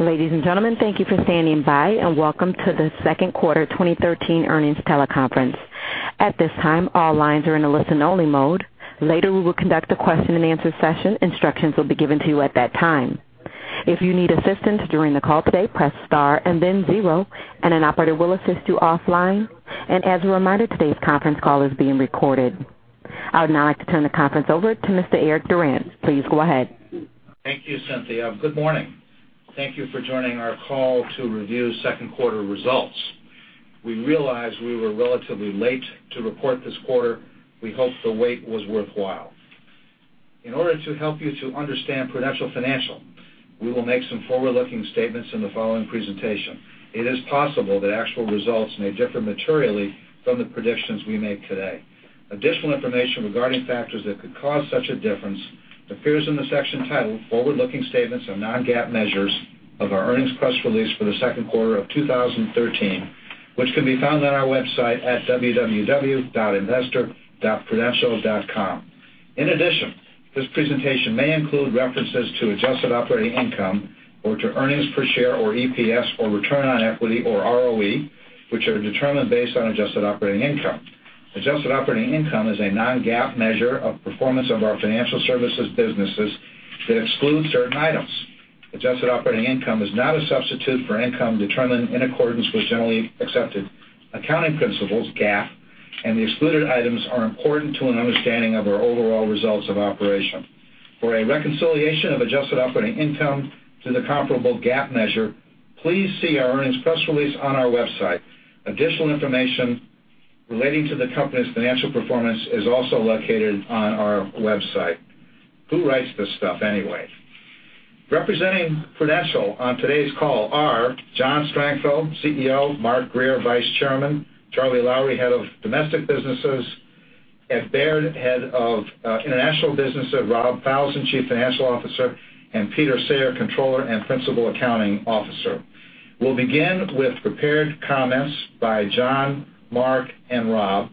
Ladies and gentlemen, thank you for standing by, and welcome to the second quarter 2013 earnings teleconference. At this time, all lines are in a listen-only mode. Later, we will conduct a question-and-answer session. Instructions will be given to you at that time. If you need assistance during the call today, press star and then zero, and an operator will assist you offline. As a reminder, today's conference call is being recorded. I would now like to turn the conference over to Mr. Eric Durant. Please go ahead. Thank you, Cynthia. Good morning. Thank you for joining our call to review second quarter results. We realize we were relatively late to report this quarter. We hope the wait was worthwhile. In order to help you to understand Prudential Financial, we will make some forward-looking statements in the following presentation. It is possible that actual results may differ materially from the predictions we make today. Additional information regarding factors that could cause such a difference appears in the section titled Forward-Looking Statements and Non-GAAP Measures of our earnings press release for the second quarter of 2013, which can be found on our website at www.investor.prudential.com. In addition, this presentation may include references to adjusted operating income or to earnings per share or EPS, or return on equity or ROE, which are determined based on adjusted operating income. Adjusted operating income is a non-GAAP measure of performance of our financial services businesses that excludes certain items. Adjusted operating income is not a substitute for income determined in accordance with generally accepted accounting principles, GAAP, the excluded items are important to an understanding of our overall results of operation. For a reconciliation of adjusted operating income to the comparable GAAP measure, please see our earnings press release on our website. Additional information relating to the company's financial performance is also located on our website. Who writes this stuff anyway? Representing Prudential on today's call are John Strangfeld, CEO, Mark Grier, Vice Chairman, Charlie Lowrey, Head of Domestic Businesses, Ed Baird, Head of International Business, Rob Falzon, Chief Financial Officer, and Peter Sayek, Controller and Principal Accounting Officer. We'll begin with prepared comments by John, Mark, and Rob.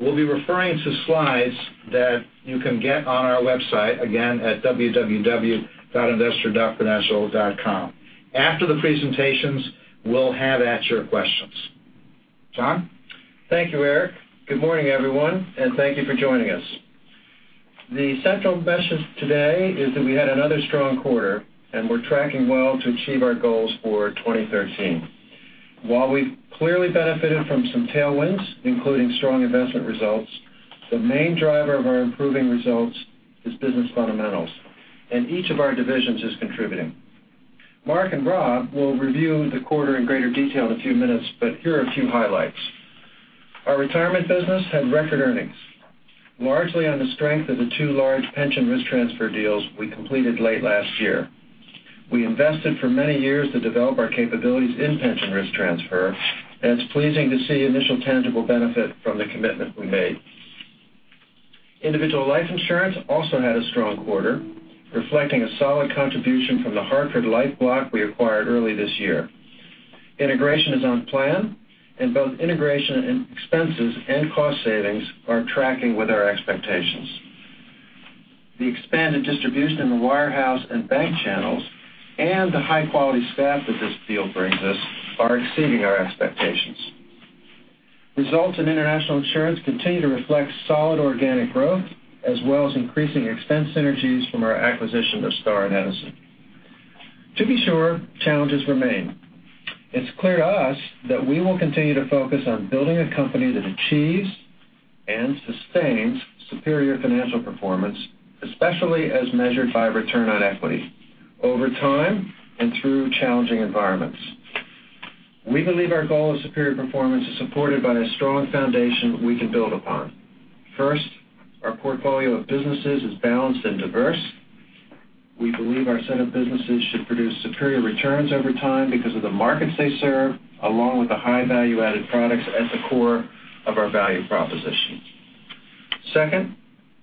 We'll be referring to slides that you can get on our website, again, at www.investor.prudential.com. After the presentations, we'll have at your questions. John? Thank you, Eric. Good morning, everyone. Thank you for joining us. The central message today is that we had another strong quarter. We're tracking well to achieve our goals for 2013. While we've clearly benefited from some tailwinds, including strong investment results, the main driver of our improving results is business fundamentals. Each of our divisions is contributing. Mark and Rob will review the quarter in greater detail in a few minutes. Here are a few highlights. Our retirement business had record earnings, largely on the strength of the 2 large pension risk transfer deals we completed late last year. We invested for many years to develop our capabilities in pension risk transfer. It's pleasing to see initial tangible benefit from the commitment we made. Individual life insurance also had a strong quarter, reflecting a solid contribution from the Hartford Life block we acquired early this year. Integration is on plan, and both integration expenses and cost savings are tracking with our expectations. The expanded distribution in the wirehouse and bank channels and the high-quality staff that this deal brings us are exceeding our expectations. Results in international insurance continue to reflect solid organic growth, as well as increasing expense synergies from our acquisition of Star and Edison. To be sure, challenges remain. It's clear to us that we will continue to focus on building a company that achieves and sustains superior financial performance, especially as measured by return on equity, over time and through challenging environments. We believe our goal of superior performance is supported by a strong foundation we can build upon. First, our portfolio of businesses is balanced and diverse. We believe our set of businesses should produce superior returns over time because of the markets they serve, along with the high value-added products at the core of our value proposition. Second,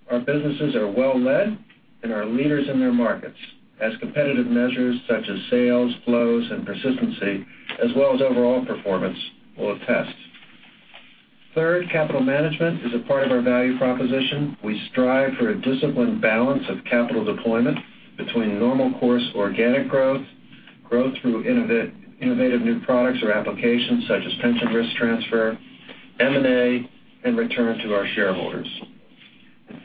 our businesses are well led and are leaders in their markets, as competitive measures such as sales, flows, and persistency, as well as overall performance, will attest. Third, capital management is a part of our value proposition. We strive for a disciplined balance of capital deployment between normal course organic growth through innovative new products or applications such as pension risk transfer, M&A. Return to our shareholders.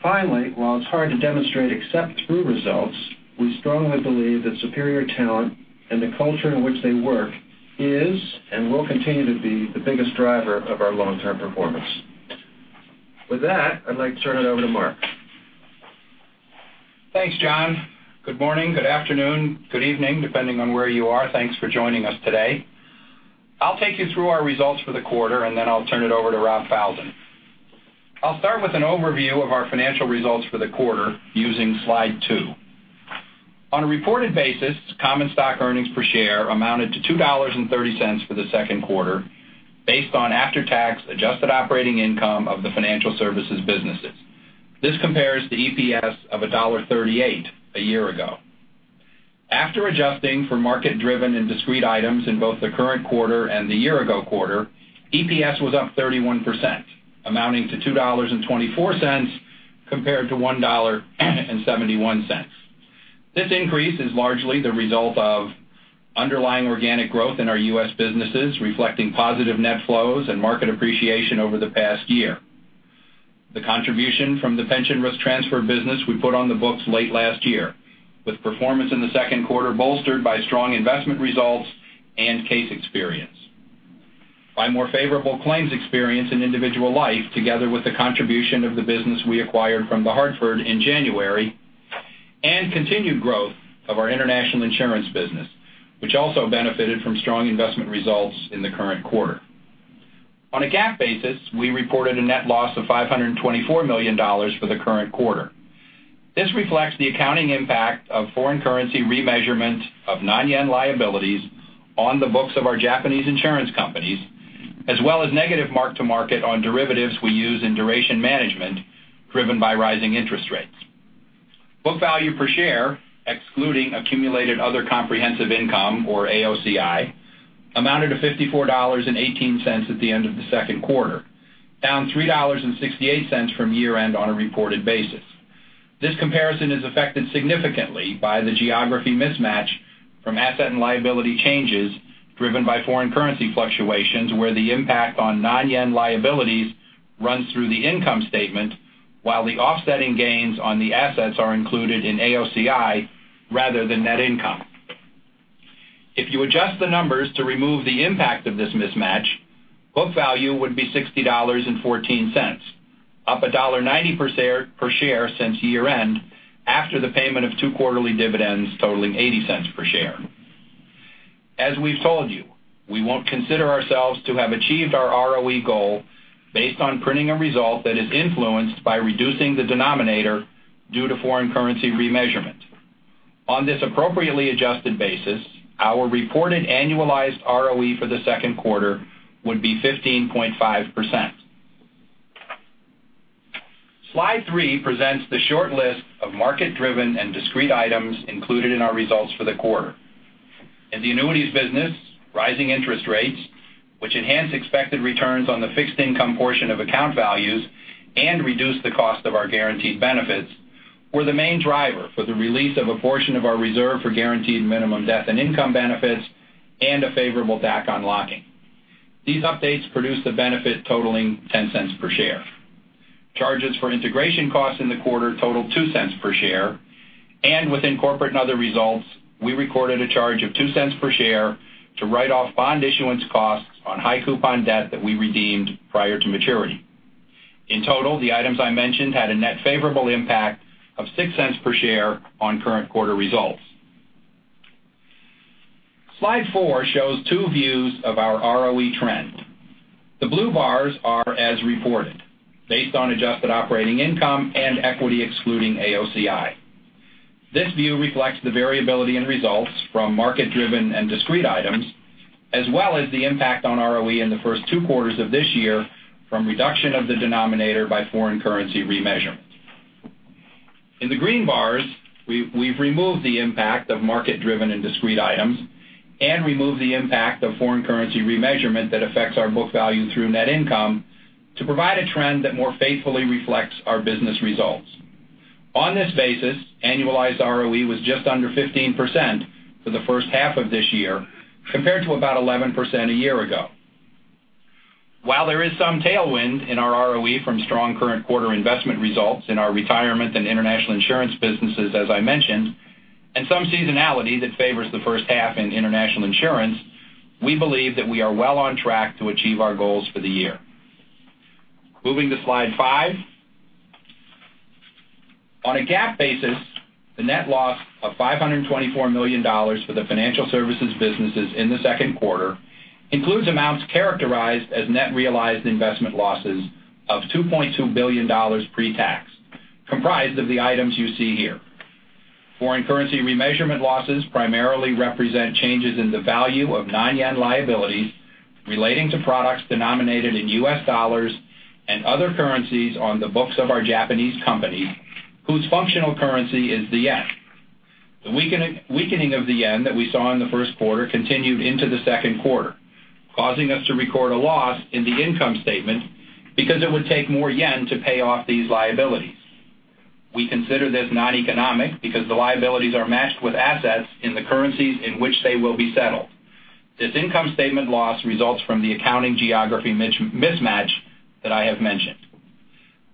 Finally, while it's hard to demonstrate except through results, we strongly believe that superior talent and the culture in which they work is and will continue to be the biggest driver of our long-term performance. With that, I'd like to turn it over to Mark. Thanks, John. Good morning, good afternoon, good evening, depending on where you are. Thanks for joining us today. I'll take you through our results for the quarter. Then I'll turn it over to Rob Falzon. I'll start with an overview of our financial results for the quarter using slide two. On a reported basis, common stock earnings per share amounted to $2.30 for the second quarter based on after-tax adjusted operating income of the financial services businesses. This compares to EPS of $1.38 a year ago. After adjusting for market-driven and discrete items in both the current quarter and the year-ago quarter, EPS was up 31%. Amounting to $2.24 compared to $1.71. This increase is largely the result of underlying organic growth in our U.S. businesses, reflecting positive net flows and market appreciation over the past year. The contribution from the pension risk transfer business we put on the books late last year, with performance in the second quarter bolstered by strong investment results and case experience. By more favorable claims experience in individual life, together with the contribution of the business we acquired from The Hartford in January, and continued growth of our international insurance business, which also benefited from strong investment results in the current quarter. On a GAAP basis, we reported a net loss of $524 million for the current quarter. This reflects the accounting impact of foreign currency remeasurement of non-yen liabilities on the books of our Japanese insurance companies, as well as negative mark-to-market on derivatives we use in duration management driven by rising interest rates. Book value per share, excluding accumulated other comprehensive income, or AOCI, amounted to $54.18 at the end of the second quarter, down $3.68 from year-end on a reported basis. This comparison is affected significantly by the geography mismatch from asset and liability changes driven by foreign currency fluctuations, where the impact on non-yen liabilities runs through the income statement, while the offsetting gains on the assets are included in AOCI rather than net income. If you adjust the numbers to remove the impact of this mismatch, book value would be $60.14, up $1.90 per share since year-end after the payment of two quarterly dividends totaling $0.80 per share. As we've told you, we won't consider ourselves to have achieved our ROE goal based on printing a result that is influenced by reducing the denominator due to foreign currency remeasurement. On this appropriately adjusted basis, our reported annualized ROE for the second quarter would be 15.5%. Slide three presents the short list of market-driven and discrete items included in our results for the quarter. In the annuities business, rising interest rates, which enhance expected returns on the fixed income portion of account values and reduce the cost of our Guaranteed Minimum Death and Income Benefits, were the main driver for the release of a portion of our reserve for Guaranteed Minimum Death and Income Benefits and a favorable DAC unlocking. These updates produced a benefit totaling $0.10 per share. Charges for integration costs in the quarter totaled $0.02 per share. Within corporate and other results, we recorded a charge of $0.02 per share to write off bond issuance costs on high coupon debt that we redeemed prior to maturity. In total, the items I mentioned had a net favorable impact of $0.06 per share on current quarter results. Slide four shows two views of our ROE trend. The blue bars are as reported, based on adjusted operating income and equity excluding AOCI. This view reflects the variability in results from market-driven and discrete items, as well as the impact on ROE in the first two quarters of this year from reduction of the denominator by foreign currency remeasurement. In the green bars, we've removed the impact of market-driven and discrete items and removed the impact of foreign currency remeasurement that affects our book value through net income to provide a trend that more faithfully reflects our business results. On this basis, annualized ROE was just under 15% for the first half of this year, compared to about 11% a year ago. While there is some tailwind in our ROE from strong current quarter investment results in our retirement and international insurance businesses, as I mentioned, and some seasonality that favors the first half in international insurance, we believe that we are well on track to achieve our goals for the year. Moving to slide five. On a GAAP basis, the net loss of $524 million for the financial services businesses in the second quarter includes amounts characterized as net realized investment losses of $2.2 billion pre-tax, comprised of the items you see here. Foreign currency remeasurement losses primarily represent changes in the value of non-yen liabilities relating to products denominated in US dollars and other currencies on the books of our Japanese company, whose functional currency is the yen. The weakening of the yen that we saw in the first quarter continued into the second quarter, causing us to record a loss in the income statement because it would take more yen to pay off these liabilities. We consider this noneconomic because the liabilities are matched with assets in the currencies in which they will be settled. This income statement loss results from the accounting geography mismatch that I have mentioned.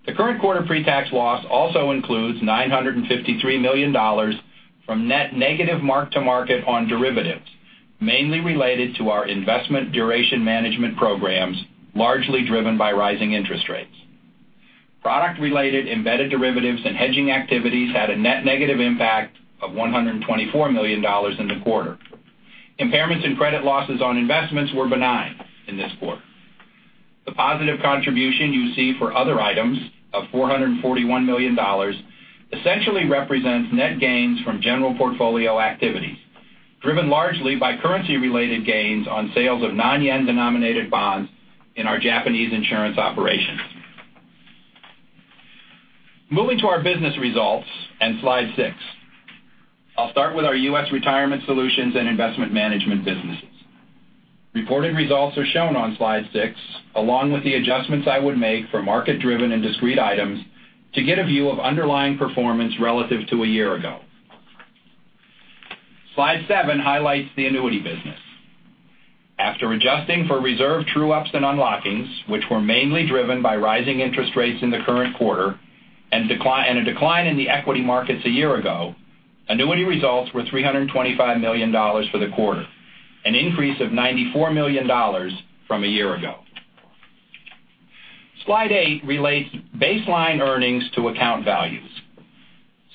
The current quarter pre-tax loss also includes $953 million from net negative mark-to-market on derivatives, mainly related to our investment duration management programs, largely driven by rising interest rates. Product-related embedded derivatives and hedging activities had a net negative impact of $124 million in the quarter. Impairments and credit losses on investments were benign in this quarter. The positive contribution you see for other items of $441 million essentially represents net gains from general portfolio activities, driven largely by currency-related gains on sales of non-yen-denominated bonds in our Japanese insurance operations. Moving to our business results and slide six. I'll start with our U.S. Retirement Solutions and Investment Management businesses. Reported results are shown on slide six, along with the adjustments I would make for market-driven and discrete items to get a view of underlying performance relative to a year ago. Slide seven highlights the annuity business. After adjusting for reserve true-ups and unlockings, which were mainly driven by rising interest rates in the current quarter and a decline in the equity markets a year ago, annuity results were $325 million for the quarter, an increase of $94 million from a year ago. Slide eight relates baseline earnings to account values.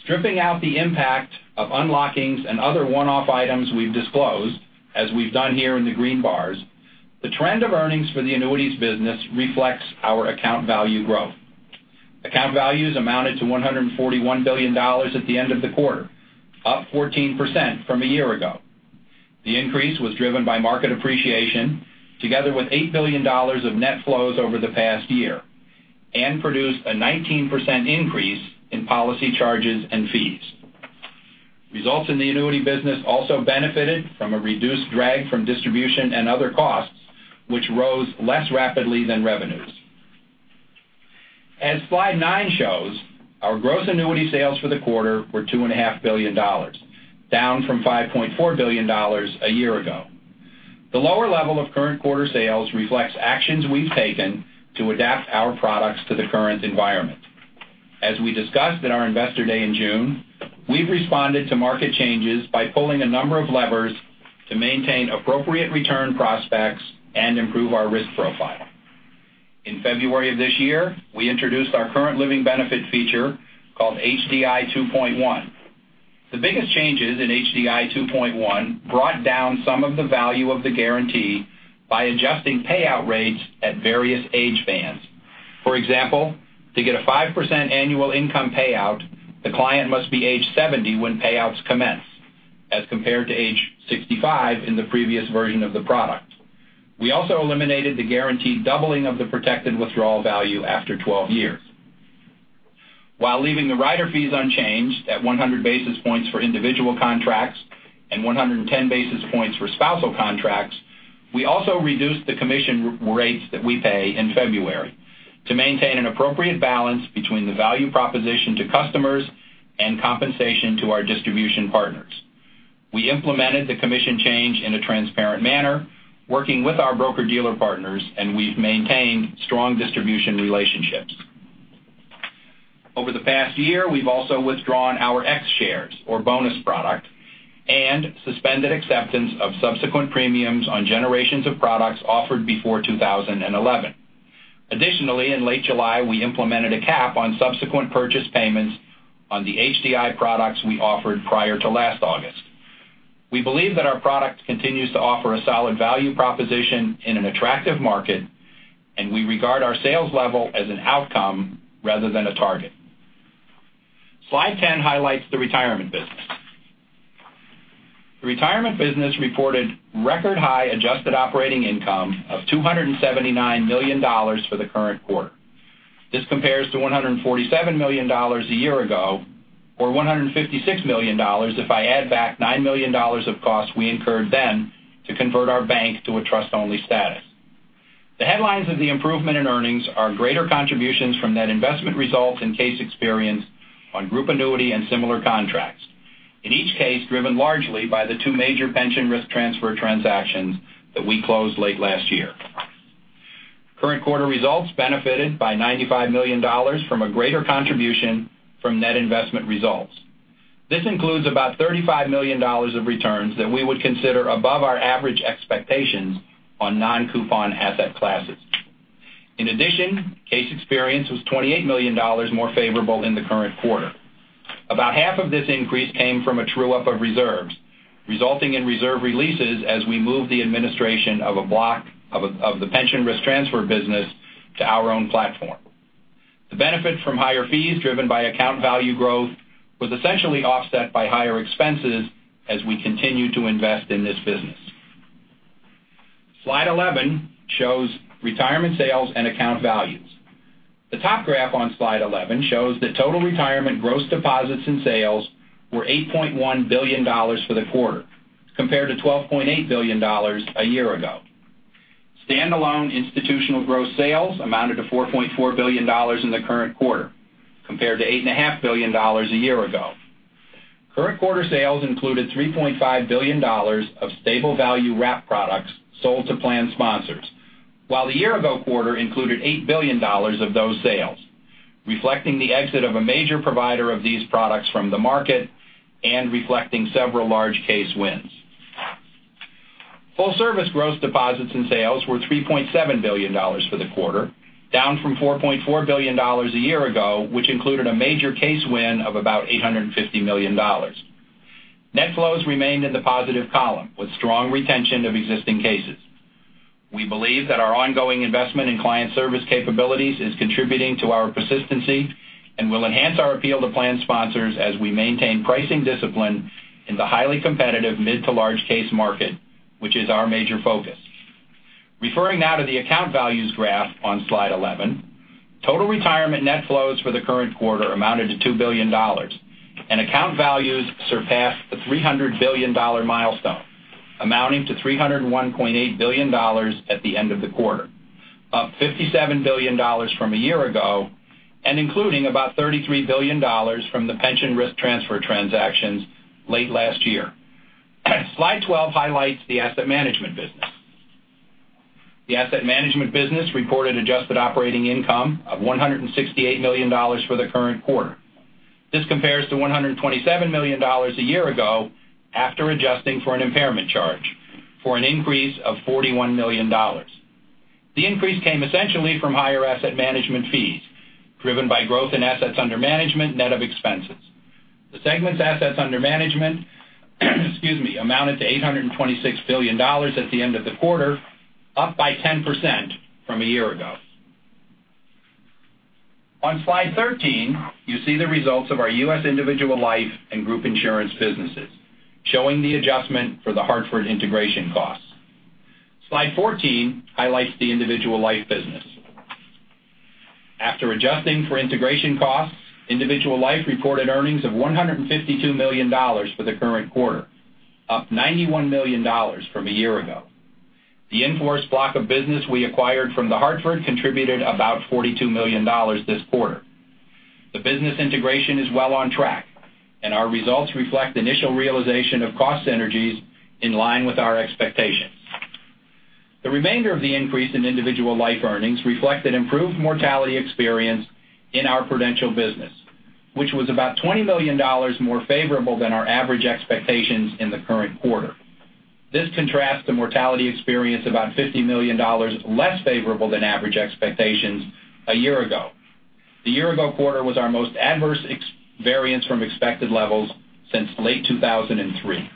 Stripping out the impact of unlockings and other one-off items we've disclosed, as we've done here in the green bars, the trend of earnings for the annuities business reflects our account value growth. Account values amounted to $141 billion at the end of the quarter, up 14% from a year ago. The increase was driven by market appreciation together with $8 billion of net flows over the past year and produced a 19% increase in policy charges and fees. Results in the annuity business also benefited from a reduced drag from distribution and other costs, which rose less rapidly than revenues. As slide nine shows, our gross annuity sales for the quarter were $2.5 billion, down from $5.4 billion a year ago. The lower level of current quarter sales reflects actions we've taken to adapt our products to the current environment. As we discussed at our investor day in June, we've responded to market changes by pulling a number of levers to maintain appropriate return prospects and improve our risk profile. In February of this year, we introduced our current living benefit feature called HDI 2.1. The biggest changes in HDI 2.1 brought down some of the value of the guarantee by adjusting payout rates at various age bands. For example, to get a 5% annual income payout, the client must be age 70 when payouts commence, as compared to age 65 in the previous version of the product. We also eliminated the guaranteed doubling of the protected withdrawal value after 12 years. While leaving the rider fees unchanged at 100 basis points for individual contracts and 110 basis points for spousal contracts, we also reduced the commission rates that we pay in February to maintain an appropriate balance between the value proposition to customers and compensation to our distribution partners. We implemented the commission change in a transparent manner, working with our broker-dealer partners, and we've maintained strong distribution relationships. Over the past year, we've also withdrawn our X shares or bonus product and suspended acceptance of subsequent premiums on generations of products offered before 2011. Additionally, in late July, we implemented a cap on subsequent purchase payments on the HDI products we offered prior to last August. We believe that our product continues to offer a solid value proposition in an attractive market, and we regard our sales level as an outcome rather than a target. Slide 10 highlights the retirement business. The retirement business reported record high adjusted operating income of $279 million for the current quarter. This compares to $147 million a year ago or $156 million if I add back $9 million of costs we incurred then to convert our bank to a trust-only status. The headlines of the improvement in earnings are greater contributions from net investment results and case experience on group annuity and similar contracts. In each case, driven largely by the two major pension risk transfer transactions that we closed late last year. Current quarter results benefited by $95 million from a greater contribution from net investment results. This includes about $35 million of returns that we would consider above our average expectations on non-coupon asset classes. In addition, case experience was $28 million more favorable in the current quarter. About half of this increase came from a true up of reserves, resulting in reserve releases as we move the administration of the pension risk transfer business to our own platform. The benefit from higher fees driven by account value growth was essentially offset by higher expenses as we continue to invest in this business. Slide 11 shows retirement sales and account values. The top graph on slide 11 shows that total retirement gross deposits and sales were $8.1 billion for the quarter, compared to $12.8 billion a year ago. Standalone institutional gross sales amounted to $4.4 billion in the current quarter, compared to $8.5 billion a year ago. Current quarter sales included $3.5 billion of stable value wrap products sold to plan sponsors, while the year ago quarter included $8 billion of those sales, reflecting the exit of a major provider of these products from the market and reflecting several large case wins. Full service gross deposits and sales were $3.7 billion for the quarter, down from $4.4 billion a year ago, which included a major case win of about $850 million. Net flows remained in the positive column, with strong retention of existing cases. We believe that our ongoing investment in client service capabilities is contributing to our persistency and will enhance our appeal to plan sponsors as we maintain pricing discipline in the highly competitive mid to large case market, which is our major focus. Referring now to the account values graph on Slide 11, total retirement net flows for the current quarter amounted to $2 billion. Account values surpassed the $300 billion milestone, amounting to $301.8 billion at the end of the quarter, up $57 billion from a year ago, and including about $33 billion from the pension risk transfer transactions late last year. Slide 12 highlights the asset management business. The asset management business reported adjusted operating income of $168 million for the current quarter. This compares to $127 million a year ago after adjusting for an impairment charge, for an increase of $41 million. The increase came essentially from higher asset management fees, driven by growth in assets under management, net of expenses. The segment's assets under management amounted to $826 billion at the end of the quarter, up by 10% from a year ago. On Slide 13, you see the results of our U.S. individual life and group insurance businesses, showing the adjustment for The Hartford integration costs. Slide 14 highlights the individual life business. After adjusting for integration costs, individual life reported earnings of $152 million for the current quarter, up $91 million from a year ago. The in-force block of business we acquired from The Hartford contributed about $42 million this quarter. The business integration is well on track, and our results reflect initial realization of cost synergies in line with our expectations. The remainder of the increase in individual life earnings reflected improved mortality experience in our Prudential business, which was about $20 million more favorable than our average expectations in the current quarter. This contrasts the mortality experience about $50 million less favorable than average expectations a year ago. The year-ago quarter was our most adverse variance from expected levels since late 2003.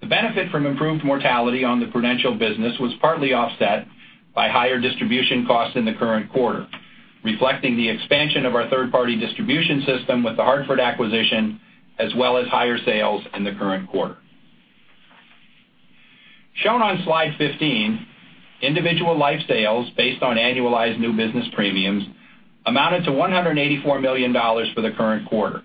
The benefit from improved mortality on the Prudential business was partly offset by higher distribution costs in the current quarter, reflecting the expansion of our third-party distribution system with The Hartford acquisition, as well as higher sales in the current quarter. Shown on Slide 15, individual life sales based on annualized new business premiums amounted to $184 million for the current quarter,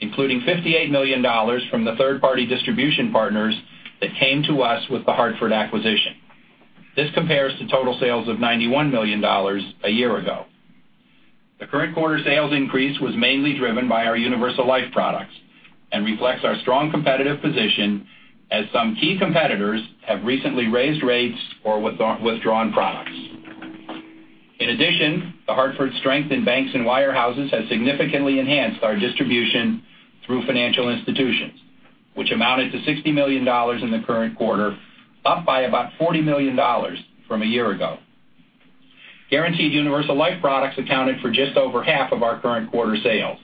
including $58 million from the third-party distribution partners that came to us with The Hartford acquisition. This compares to total sales of $91 million a year ago. The current quarter sales increase was mainly driven by our universal life products and reflects our strong competitive position, as some key competitors have recently raised rates or withdrawn products. In addition, The Hartford strength in banks and wirehouses has significantly enhanced our distribution through financial institutions, which amounted to $60 million in the current quarter, up by about $40 million from a year ago. Guaranteed Universal Life products accounted for just over half of our current quarter sales.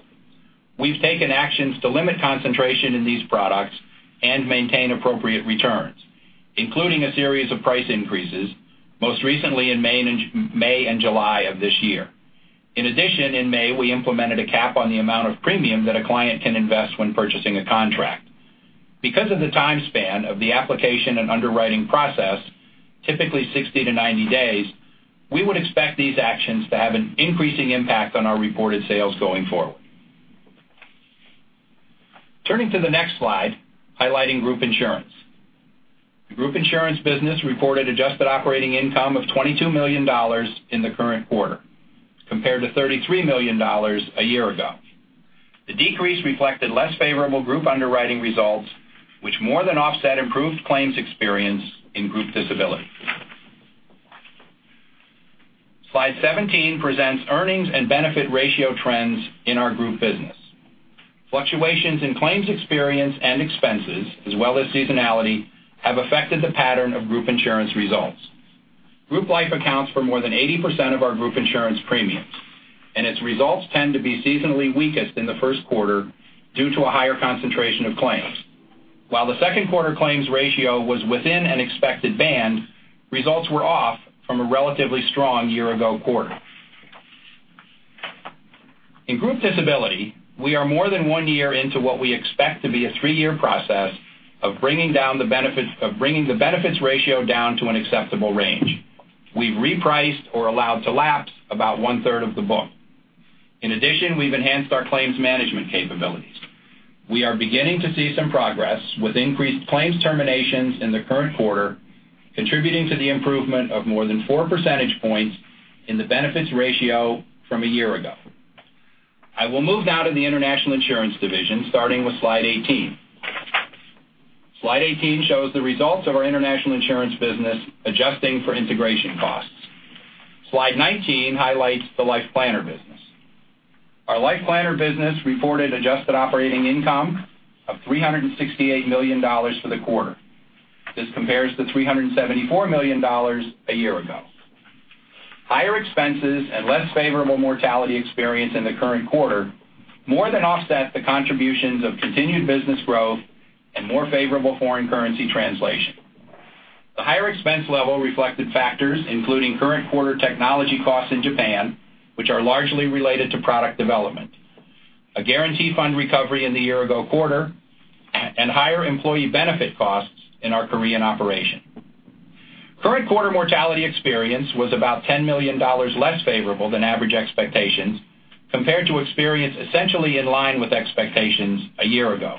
We've taken actions to limit concentration in these products and maintain appropriate returns, including a series of price increases, most recently in May and July of this year. In addition, in May, we implemented a cap on the amount of premium that a client can invest when purchasing a contract. Because of the time span of the application and underwriting process, typically 60-90 days, we would expect these actions to have an increasing impact on our reported sales going forward. Turning to the next slide, highlighting group insurance. The group insurance business reported adjusted operating income of $22 million in the current quarter compared to $33 million a year ago. The decrease reflected less favorable group underwriting results, which more than offset improved claims experience in group disability. Slide 17 presents earnings and benefit ratio trends in our group business. Fluctuations in claims experience and expenses, as well as seasonality, have affected the pattern of group insurance results. Group Life accounts for more than 80% of our group insurance premiums, and its results tend to be seasonally weakest in the first quarter due to a higher concentration of claims. While the second quarter claims ratio was within an expected band, results were off from a relatively strong year-ago quarter. In group disability, we are more than one year into what we expect to be a three-year process of bringing the benefits ratio down to an acceptable range. We've repriced or allowed to lapse about one-third of the book. In addition, we've enhanced our claims management capabilities. We are beginning to see some progress with increased claims terminations in the current quarter, contributing to the improvement of more than four percentage points in the benefits ratio from a year ago. I will move now to the International Insurance division, starting with Slide 18. Slide 18 shows the results of our international insurance business, adjusting for integration costs. Slide 19 highlights the Life Planner business. Our Life Planner business reported adjusted operating income of $368 million for the quarter. This compares to $374 million a year ago. Higher expenses and less favorable mortality experience in the current quarter more than offset the contributions of continued business growth and more favorable foreign currency translation. The higher expense level reflected factors including current quarter technology costs in Japan, which are largely related to product development. A guarantee fund recovery in the year-ago quarter and higher employee benefit costs in our Korean operation. Current quarter mortality experience was about $10 million less favorable than average expectations compared to experience essentially in line with expectations a year ago.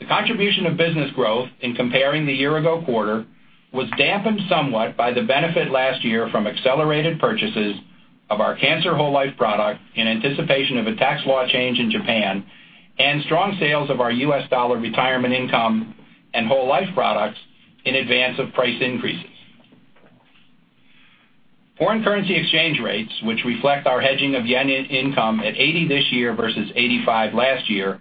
The contribution of business growth in comparing the year ago quarter was dampened somewhat by the benefit last year from accelerated purchases of our cancer whole life product in anticipation of a tax law change in Japan, and strong sales of our US dollar retirement income and whole life products in advance of price increases. Foreign currency exchange rates, which reflect our hedging of yen income at 80 this year versus 85 last year,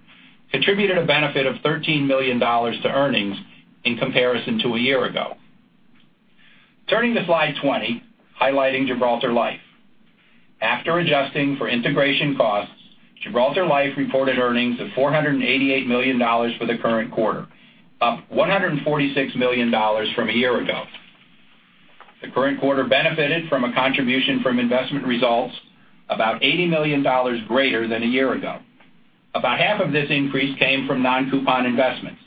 contributed a benefit of $13 million to earnings in comparison to a year ago. Turning to slide 20, highlighting Gibraltar Life. After adjusting for integration costs, Gibraltar Life reported earnings of $488 million for the current quarter, up $146 million from a year ago. The current quarter benefited from a contribution from investment results about $80 million greater than a year ago. About half of this increase came from non-coupon investments,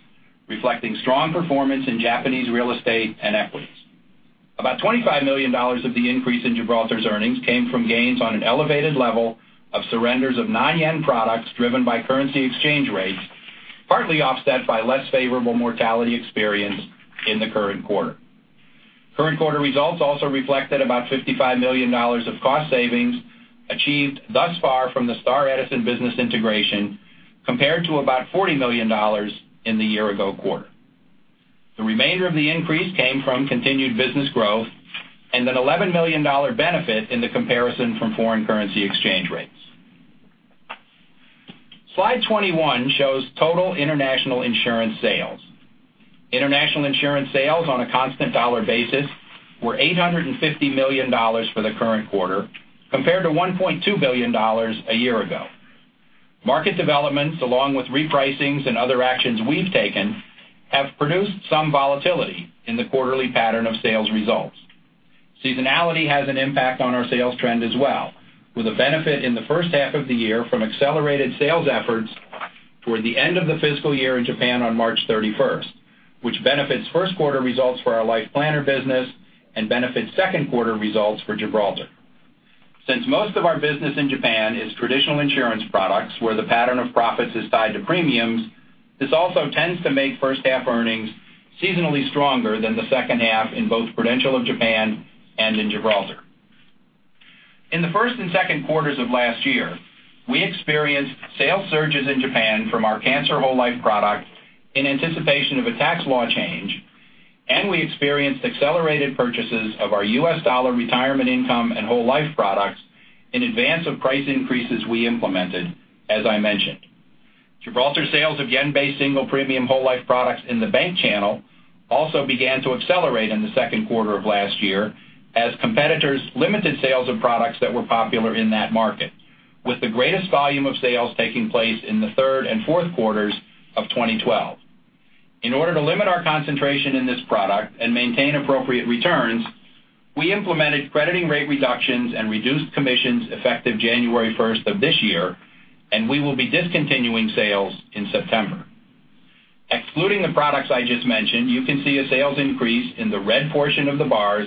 reflecting strong performance in Japanese real estate and equities. About $25 million of the increase in Gibraltar's earnings came from gains on an elevated level of surrenders of non-yen products driven by currency exchange rates, partly offset by less favorable mortality experience in the current quarter. Current quarter results also reflected about $55 million of cost savings achieved thus far from the Star and Edison business integration compared to about $40 million in the year ago quarter. The remainder of the increase came from continued business growth and an $11 million benefit in the comparison from foreign currency exchange rates. Slide 21 shows total international insurance sales. International insurance sales on a constant dollar basis were $850 million for the current quarter, compared to $1.2 billion a year ago. Market developments, along with repricings and other actions we've taken, have produced some volatility in the quarterly pattern of sales results. Seasonality has an impact on our sales trend as well, with a benefit in the first half of the year from accelerated sales efforts toward the end of the fiscal year in Japan on March 31st, which benefits first quarter results for our Life Planner business and benefits second quarter results for Gibraltar. Since most of our business in Japan is traditional insurance products, where the pattern of profits is tied to premiums, this also tends to make first half earnings seasonally stronger than the second half in both Prudential of Japan and in Gibraltar. In the first and second quarters of last year, we experienced sales surges in Japan from our cancer whole life product in anticipation of a tax law change, and we experienced accelerated purchases of our US dollar retirement income and whole life products in advance of price increases we implemented, as I mentioned. Gibraltar sales of yen-based single premium whole life products in the bank channel also began to accelerate in the second quarter of last year as competitors limited sales of products that were popular in that market, with the greatest volume of sales taking place in the third and fourth quarters of 2012. In order to limit our concentration in this product and maintain appropriate returns, we implemented crediting rate reductions and reduced commissions effective January 1st of this year. We will be discontinuing sales in September. Excluding the products I just mentioned, you can see a sales increase in the red portion of the bars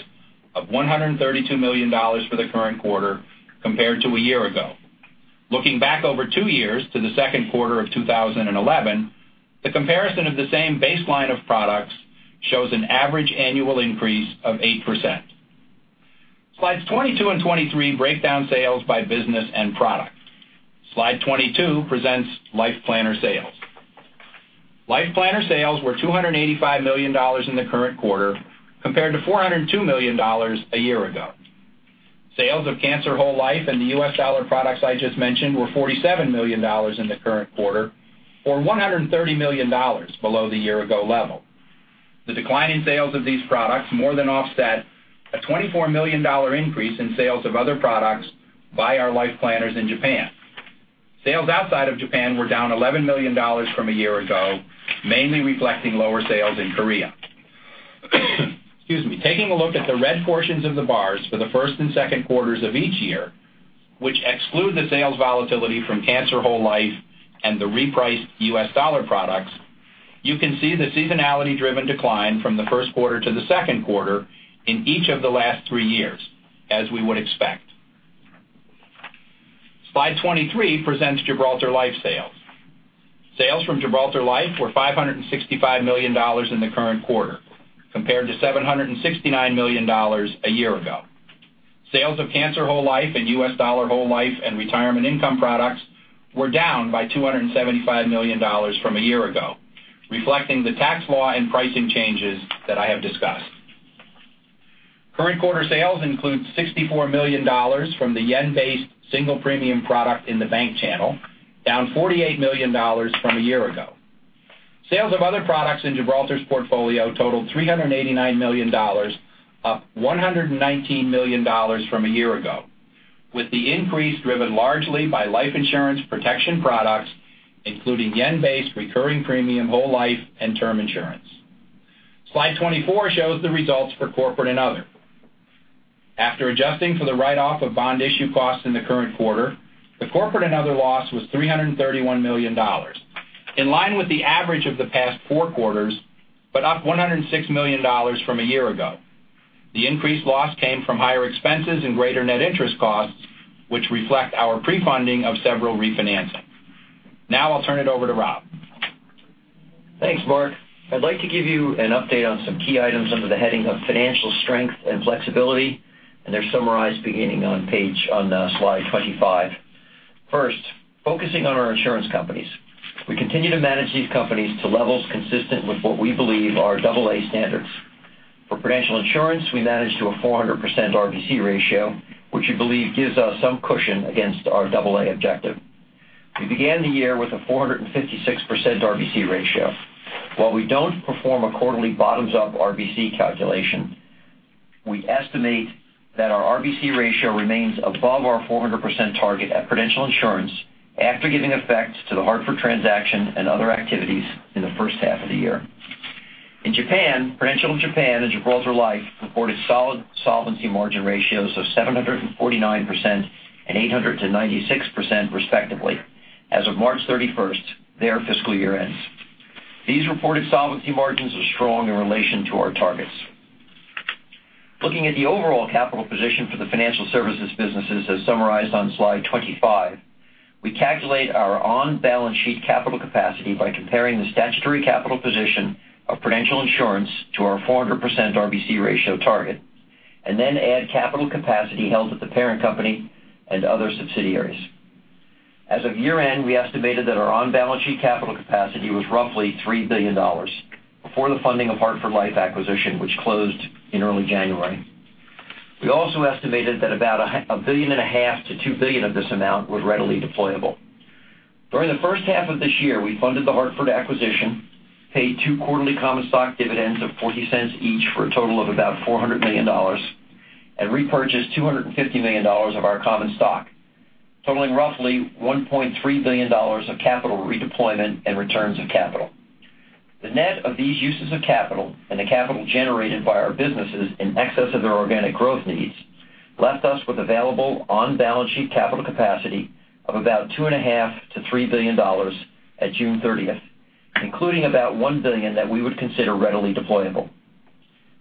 of $132 million for the current quarter compared to a year ago. Looking back over two years, to the second quarter of 2011, the comparison of the same baseline of products shows an average annual increase of 8%. Slides 22 and 23 break down sales by business and product. Slide 22 presents Life Planner sales. Life Planner sales were $285 million in the current quarter compared to $402 million a year ago. Sales of cancer whole life and the US dollar products I just mentioned were $47 million in the current quarter, or $130 million below the year ago level. The decline in sales of these products more than offset a $24 million increase in sales of other products by our Life Planners in Japan. Sales outside of Japan were down $11 million from a year ago, mainly reflecting lower sales in Korea. Excuse me. Taking a look at the red portions of the bars for the first and second quarters of each year, which exclude the sales volatility from cancer whole life and the repriced US dollar products, you can see the seasonality driven decline from the first quarter to the second quarter in each of the last three years, as we would expect. Slide 23 presents Gibraltar Life sales. Sales from Gibraltar Life were $565 million in the current quarter compared to $769 million a year ago. Sales of cancer whole life and US dollar whole life and retirement income products were down by $275 million from a year ago, reflecting the tax law and pricing changes that I have discussed. Current quarter sales include $64 million from the yen-based single premium product in the bank channel, down $48 million from a year ago. Sales of other products in Gibraltar's portfolio totaled $389 million, up $119 million from a year ago, with the increase driven largely by life insurance protection products, including yen-based recurring premium, whole life, and term insurance. Slide 24 shows the results for corporate and other. After adjusting for the write-off of bond issue costs in the current quarter, the corporate and other loss was $331 million. In line with the average of the past four quarters, but up $106 million from a year ago. The increased loss came from higher expenses and greater net interest costs, which reflect our pre-funding of several refinancing. Now I'll turn it over to Rob. Thanks, Mark. I'd like to give you an update on some key items under the heading of financial strength and flexibility, and they're summarized beginning on Slide 25. First, focusing on our insurance companies. We continue to manage these companies to levels consistent with what we believe are double A standards. For Prudential Insurance, we manage to a 400% RBC ratio, which we believe gives us some cushion against our double A objective. We began the year with a 456% RBC ratio. While we don't perform a quarterly bottoms-up RBC calculation, we estimate that our RBC ratio remains above our 400% target at Prudential Insurance after giving effect to the Hartford transaction and other activities in the first half of the year. In Japan, Prudential Japan and Gibraltar Life reported solid solvency margin ratios of 749% and 896%, respectively, as of March 31st, their fiscal year end. These reported solvency margins are strong in relation to our targets. Looking at the overall capital position for the financial services businesses as summarized on Slide 25, we calculate our on-balance sheet capital capacity by comparing the statutory capital position of Prudential Insurance to our 400% RBC ratio target, and then add capital capacity held at the parent company and other subsidiaries. As of year-end, we estimated that our on-balance sheet capital capacity was roughly $3 billion before the funding of Hartford Life acquisition, which closed in early January. We also estimated that about a billion and a half to $2 billion of this amount was readily deployable. During the first half of this year, we funded the Hartford acquisition, paid two quarterly common stock dividends of $0.40 each for a total of about $400 million, and repurchased $250 million of our common stock, totaling roughly $1.3 billion of capital redeployment and returns of capital. The net of these uses of capital and the capital generated by our businesses in excess of their organic growth needs left us with available on-balance sheet capital capacity of about $2.5 billion-$3 billion at June 30th, including about $1 billion that we would consider readily deployable.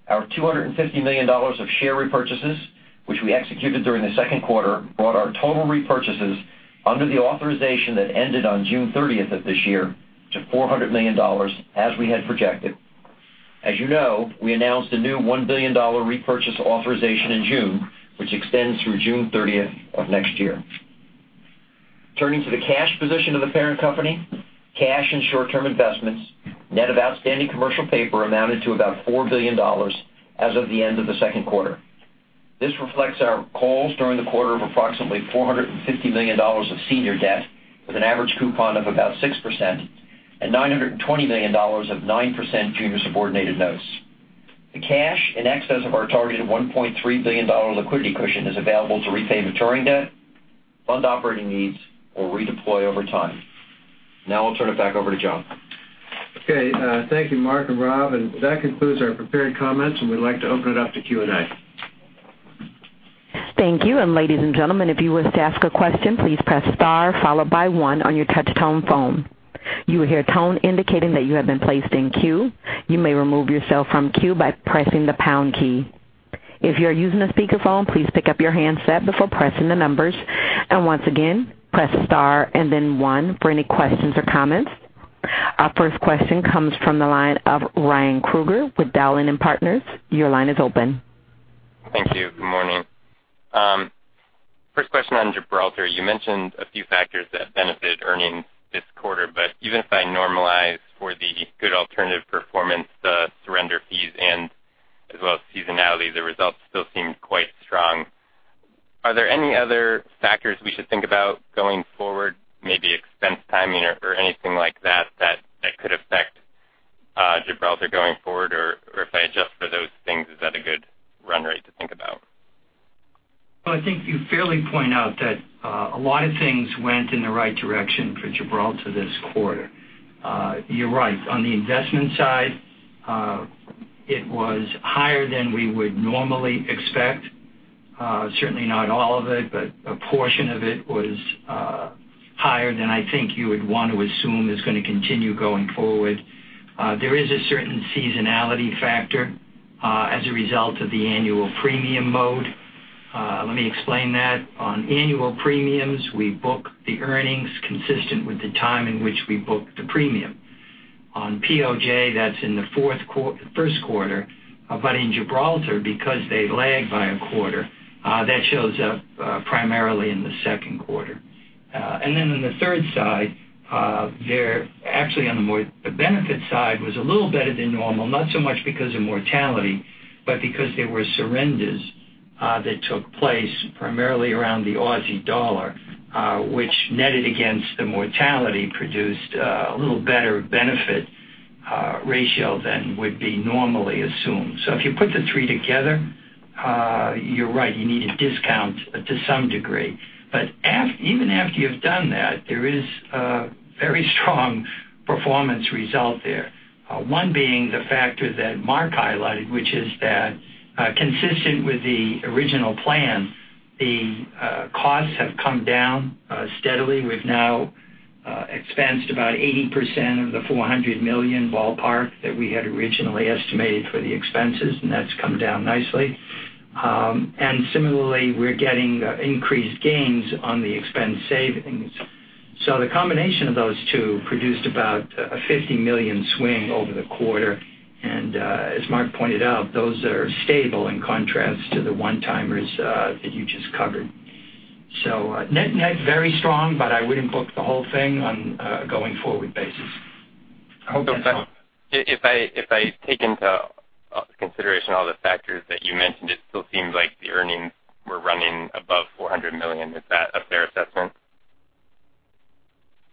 Our $250 million of share repurchases, which we executed during the second quarter, brought our total repurchases under the authorization that ended on June 30th of this year to $400 million, as we had projected. As you know, we announced a new $1 billion repurchase authorization in June, which extends through June 30th of next year. Turning to the cash position of the parent company, cash and short-term investments, net of outstanding commercial paper amounted to about $4 billion as of the end of the second quarter. This reflects our calls during the quarter of approximately $450 million of senior debt with an average coupon of about 6% and $920 million of 9% junior subordinated notes. The cash in excess of our targeted $1.3 billion liquidity cushion is available to repay maturing debt, fund operating needs, or redeploy over time. I'll turn it back over to John. Okay. Thank you, Mark and Rob. That concludes our prepared comments, and we'd like to open it up to Q&A. Thank you. Ladies and gentlemen, if you wish to ask a question, please press star followed by one on your touch tone phone. You will hear a tone indicating that you have been placed in queue. You may remove yourself from queue by pressing the pound key. If you are using a speakerphone, please pick up your handset before pressing the numbers. Once again, press star and then one for any questions or comments. Our first question comes from the line of Ryan Krueger with Dowling & Partners. Your line is open. Thank you. Good morning. First question on Gibraltar. You mentioned a few factors that benefited earnings this quarter, but even if I normalize for the good alternative performance, the surrender fees and as well as seasonality, the results still seem quite strong. Are there any other factors we should think about going forward, maybe expense timing or anything like that that could affect Gibraltar going forward? If I adjust for those things, is that a good run rate to think about? Well, I think you fairly point out that a lot of things went in the right direction for Gibraltar this quarter. You're right. On the investment side, it was higher than we would normally expect. Certainly not all of it, but a portion of it was higher than I think you would want to assume is going to continue going forward. There is a certain seasonality factor as a result of the annual premium mode. Let me explain that. On annual premiums, we book the earnings consistent with the time in which we book the premium. On POJ, that's in the first quarter, but in Gibraltar, because they lag by a quarter, that shows up primarily in the second quarter. Then on the third side, actually on the benefit side, was a little better than normal, not so much because of mortality, but because there were surrenders that took place primarily around the AUD which netted against the mortality produced a little better benefit ratio than would be normally assumed. If you put the three together, you're right, you need a discount to some degree. Even after you've done that, there is a very strong performance result there. One being the factor that Mark highlighted, which is that consistent with the original plan. The costs have come down steadily. We've now expensed about 80% of the $400 million ballpark that we had originally estimated for the expenses, and that's come down nicely. Similarly, we're getting increased gains on the expense savings. The combination of those two produced about a $50 million swing over the quarter. As Mark pointed out, those are stable in contrast to the one-timers that you just covered. Net very strong, but I wouldn't book the whole thing on a going forward basis. I hope that helps. If I take into consideration all the factors that you mentioned, it still seems like the earnings were running above $400 million. Is that a fair assessment?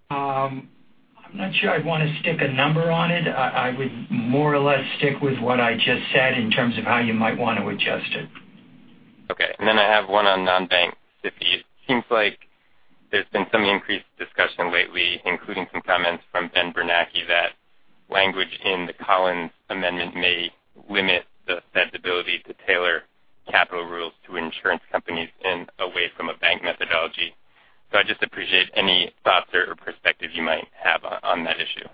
I'm not sure I'd want to stick a number on it. I would more or less stick with what I just said in terms of how you might want to adjust it. Okay. I have one on non-bank SIFIs. It seems like there's been some increased discussion lately, including some comments from Ben Bernanke, that language in the Collins Amendment may limit the Fed's ability to tailor capital rules to insurance companies in a way from a bank methodology. I'd just appreciate any thoughts or perspective you might have on that issue.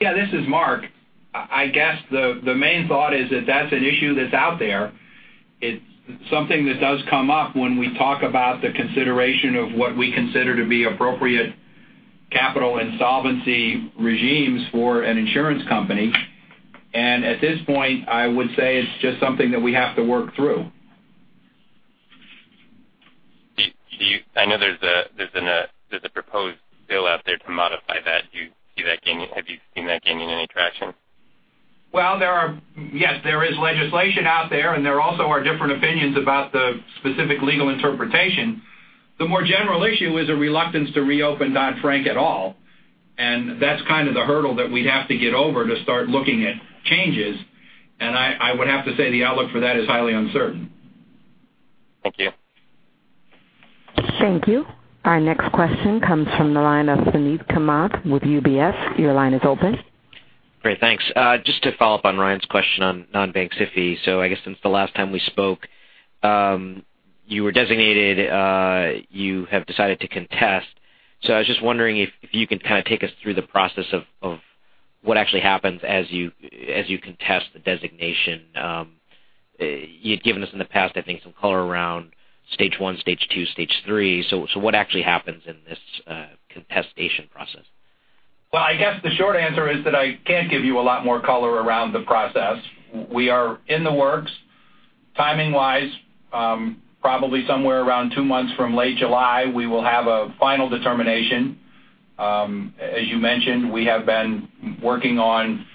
Yeah, this is Mark. I guess the main thought is that that's an issue that's out there. It's something that does come up when we talk about the consideration of what we consider to be appropriate capital and solvency regimes for an insurance company. At this point, I would say it's just something that we have to work through. I know there's a proposed bill out there to modify that. Have you seen that gaining any traction? Well, yes, there is legislation out there. There also are different opinions about the specific legal interpretation. The more general issue is a reluctance to reopen Dodd-Frank at all. That's kind of the hurdle that we'd have to get over to start looking at changes. I would have to say the outlook for that is highly uncertain. Thank you. Thank you. Our next question comes from the line of Suneet Kamath with UBS. Your line is open. Great. Thanks. Just to follow up on Ryan's question on non-bank SIFI. I guess since the last time we spoke, you were designated, you have decided to contest. I was just wondering if you could kind of take us through the process of what actually happens as you contest the designation. You'd given us in the past, I think, some color around stage 1, stage 2, stage 3. What actually happens in this contestation process? I guess the short answer is that I can't give you a lot more color around the process. We are in the works. Timing-wise, probably somewhere around two months from late July, we will have a final determination. As you mentioned, we have been working on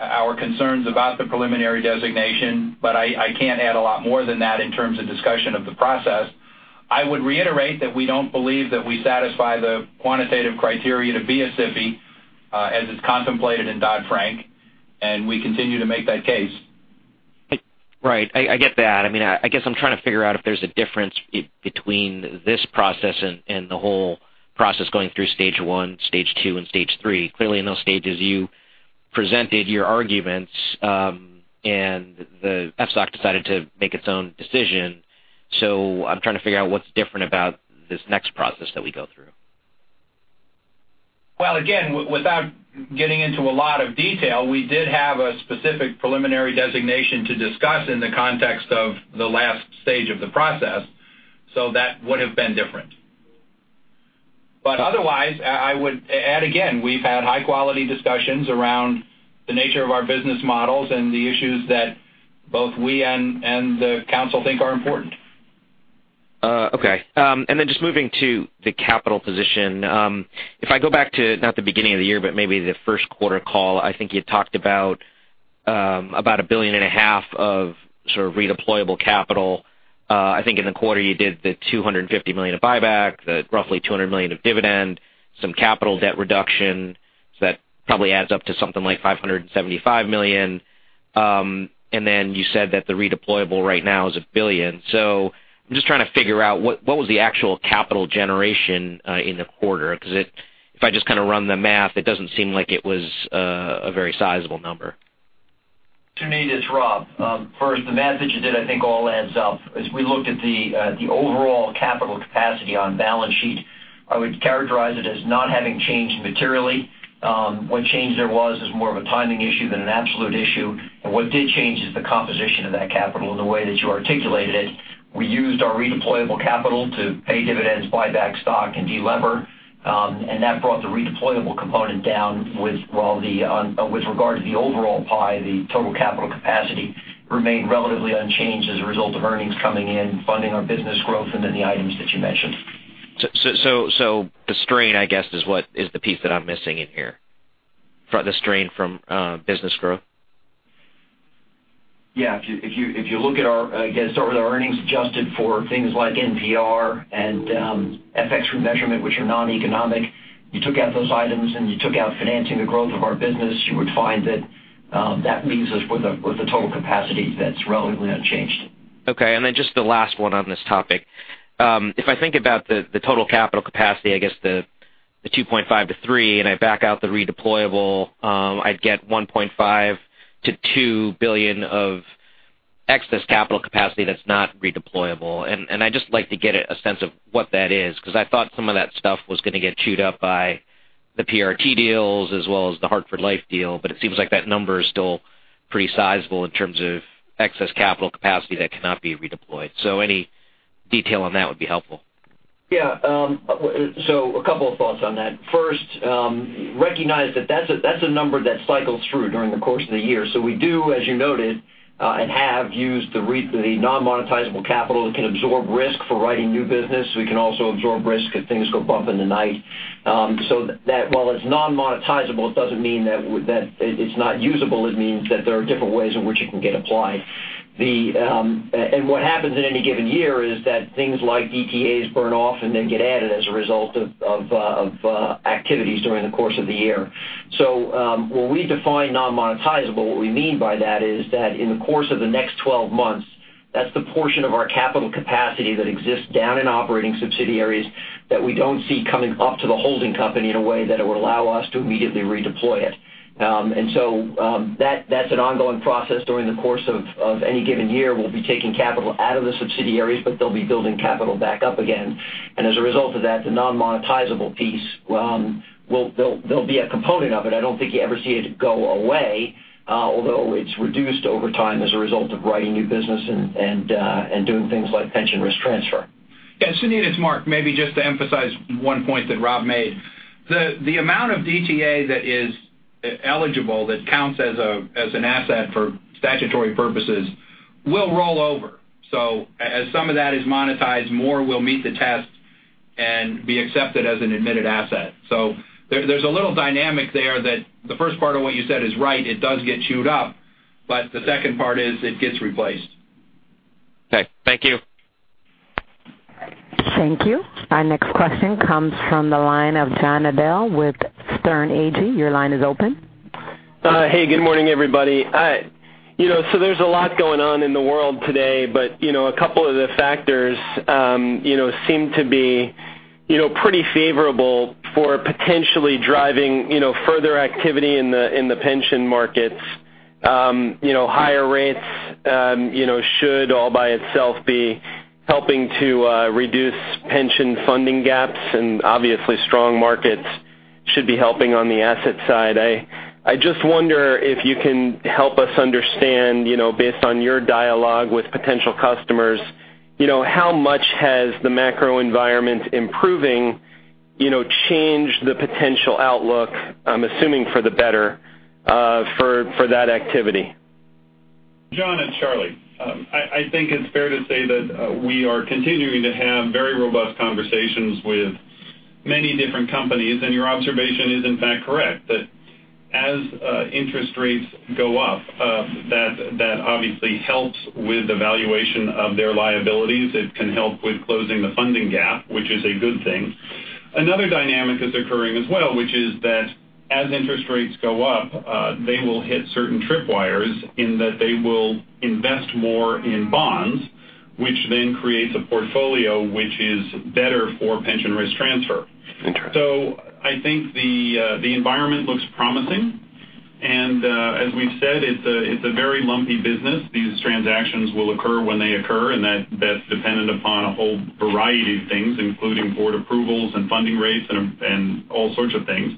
our concerns about the preliminary designation, I can't add a lot more than that in terms of discussion of the process. I would reiterate that we don't believe that we satisfy the quantitative criteria to be a SIFI as it's contemplated in Dodd-Frank, and we continue to make that case. Right. I get that. I guess I'm trying to figure out if there's a difference between this process and the whole process going through stage 1, stage 2, and stage 3. Clearly, in those stages, you presented your arguments, and the FSOC decided to make its own decision. I'm trying to figure out what's different about this next process that we go through. Well, again, without getting into a lot of detail, we did have a specific preliminary designation to discuss in the context of the last stage of the process. That would have been different. Otherwise, I would add again, we've had high-quality discussions around the nature of our business models and the issues that both we and the council think are important. Okay. Just moving to the capital position. If I go back to, not the beginning of the year, but maybe the first quarter call, I think you talked about a billion and a half of sort of redeployable capital. I think in the quarter you did the $250 million of buyback, the roughly $200 million of dividend, some capital debt reduction. That probably adds up to something like $575 million. You said that the redeployable right now is $1 billion. I'm just trying to figure out what was the actual capital generation in the quarter? If I just kind of run the math, it doesn't seem like it was a very sizable number. Suneet, it's Rob. First, the math that you did I think all adds up. As we looked at the overall capital capacity on balance sheet, I would characterize it as not having changed materially. What change there was is more of a timing issue than an absolute issue. What did change is the composition of that capital in the way that you articulated it. We used our redeployable capital to pay dividends, buy back stock, and de-lever. That brought the redeployable component down with regard to the overall pie, the total capital capacity remained relatively unchanged as a result of earnings coming in, funding our business growth, and then the items that you mentioned. The strain, I guess, is the piece that I'm missing in here. The strain from business growth. Yeah. If you look at our, again, start with our earnings adjusted for things like NPR and FX remeasurement, which are non-economic. You took out those items and you took out financing the growth of our business, you would find that that leaves us with a total capacity that's relatively unchanged. Okay, just the last one on this topic. If I think about the total capital capacity, I guess the $2.5 billion-$3 billion, and I back out the redeployable, I'd get $1.5 billion-$2 billion of excess capital capacity that's not redeployable. I just like to get a sense of what that is because I thought some of that stuff was going to get chewed up by the PRT deals as well as the Hartford Life deal, but it seems like that number is still pretty sizable in terms of excess capital capacity that cannot be redeployed. Any detail on that would be helpful. Yeah. A couple of thoughts on that. First, recognize that that's a number that cycles through during the course of the year. We do, as you noted, and have used the non-monetizable capital. It can absorb risk for writing new business. We can also absorb risk if things go bump in the night. While it's non-monetizable, it doesn't mean that it's not usable. It means that there are different ways in which it can get applied. What happens in any given year is that things like DTAs burn off and then get added as a result of activities during the course of the year. When we define non-monetizable, what we mean by that is that in the course of the next 12 months, that's the portion of our capital capacity that exists down in operating subsidiaries that we don't see coming up to the holding company in a way that it would allow us to immediately redeploy it. That's an ongoing process during the course of any given year. We'll be taking capital out of the subsidiaries, but they'll be building capital back up again. As a result of that, the non-monetizable piece will be a component of it. I don't think you ever see it go away, although it's reduced over time as a result of writing new business and doing things like pension risk transfer. Yeah, Suneet, it's Mark. Maybe just to emphasize one point that Rob made. The amount of DTA that is eligible, that counts as an asset for statutory purposes will roll over. As some of that is monetized, more will meet the test and be accepted as an admitted asset. There's a little dynamic there that the first part of what you said is right, it does get chewed up, but the second part is it gets replaced. Okay. Thank you. Thank you. Our next question comes from the line of John Nadel with Sterne Agee. Your line is open. Hey, good morning, everybody. There's a lot going on in the world today, but a couple of the factors seem to be pretty favorable for potentially driving further activity in the pension markets. Higher rates should all by itself be helping to reduce pension funding gaps, and obviously strong markets should be helping on the asset side. I just wonder if you can help us understand, based on your dialogue with potential customers, how much has the macro environment improving changed the potential outlook, I'm assuming for the better, for that activity? John, it's Charlie. I think it's fair to say that we are continuing to have very robust conversations with many different companies. Your observation is in fact correct, that as interest rates go up, that obviously helps with the valuation of their liabilities. It can help with closing the funding gap, which is a good thing. Another dynamic that's occurring as well, which is that as interest rates go up, they will hit certain tripwires in that they will invest more in bonds, which then creates a portfolio which is better for pension risk transfer. Interesting. I think the environment looks promising. As we've said, it's a very lumpy business. These transactions will occur when they occur, and that's dependent upon a whole variety of things, including board approvals and funding rates and all sorts of things.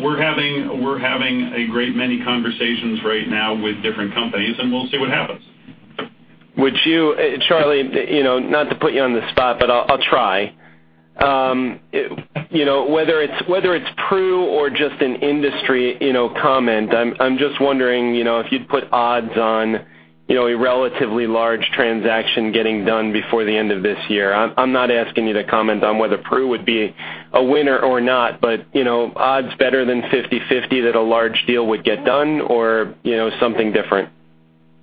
We're having a great many conversations right now with different companies. We'll see what happens. Would you, Charlie, not to put you on the spot, but I'll try. Whether it's Pru or just an industry comment, I'm just wondering if you'd put odds on a relatively large transaction getting done before the end of this year. I'm not asking you to comment on whether Pru would be a winner or not, but odds better than 50/50 that a large deal would get done or something different?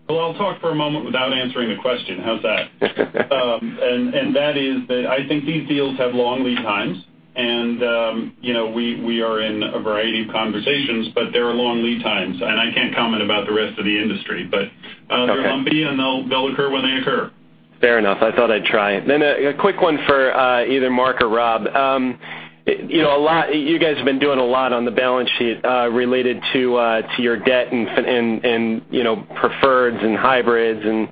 Well, I'll talk for a moment without answering the question. How's that? That is that I think these deals have long lead times. We are in a variety of conversations. There are long lead times. I can't comment about the rest of the industry. Okay they're lumpy, they'll occur when they occur. Fair enough. I thought I'd try. A quick one for either Mark or Rob. You guys have been doing a lot on the balance sheet related to your debt and preferreds and hybrids and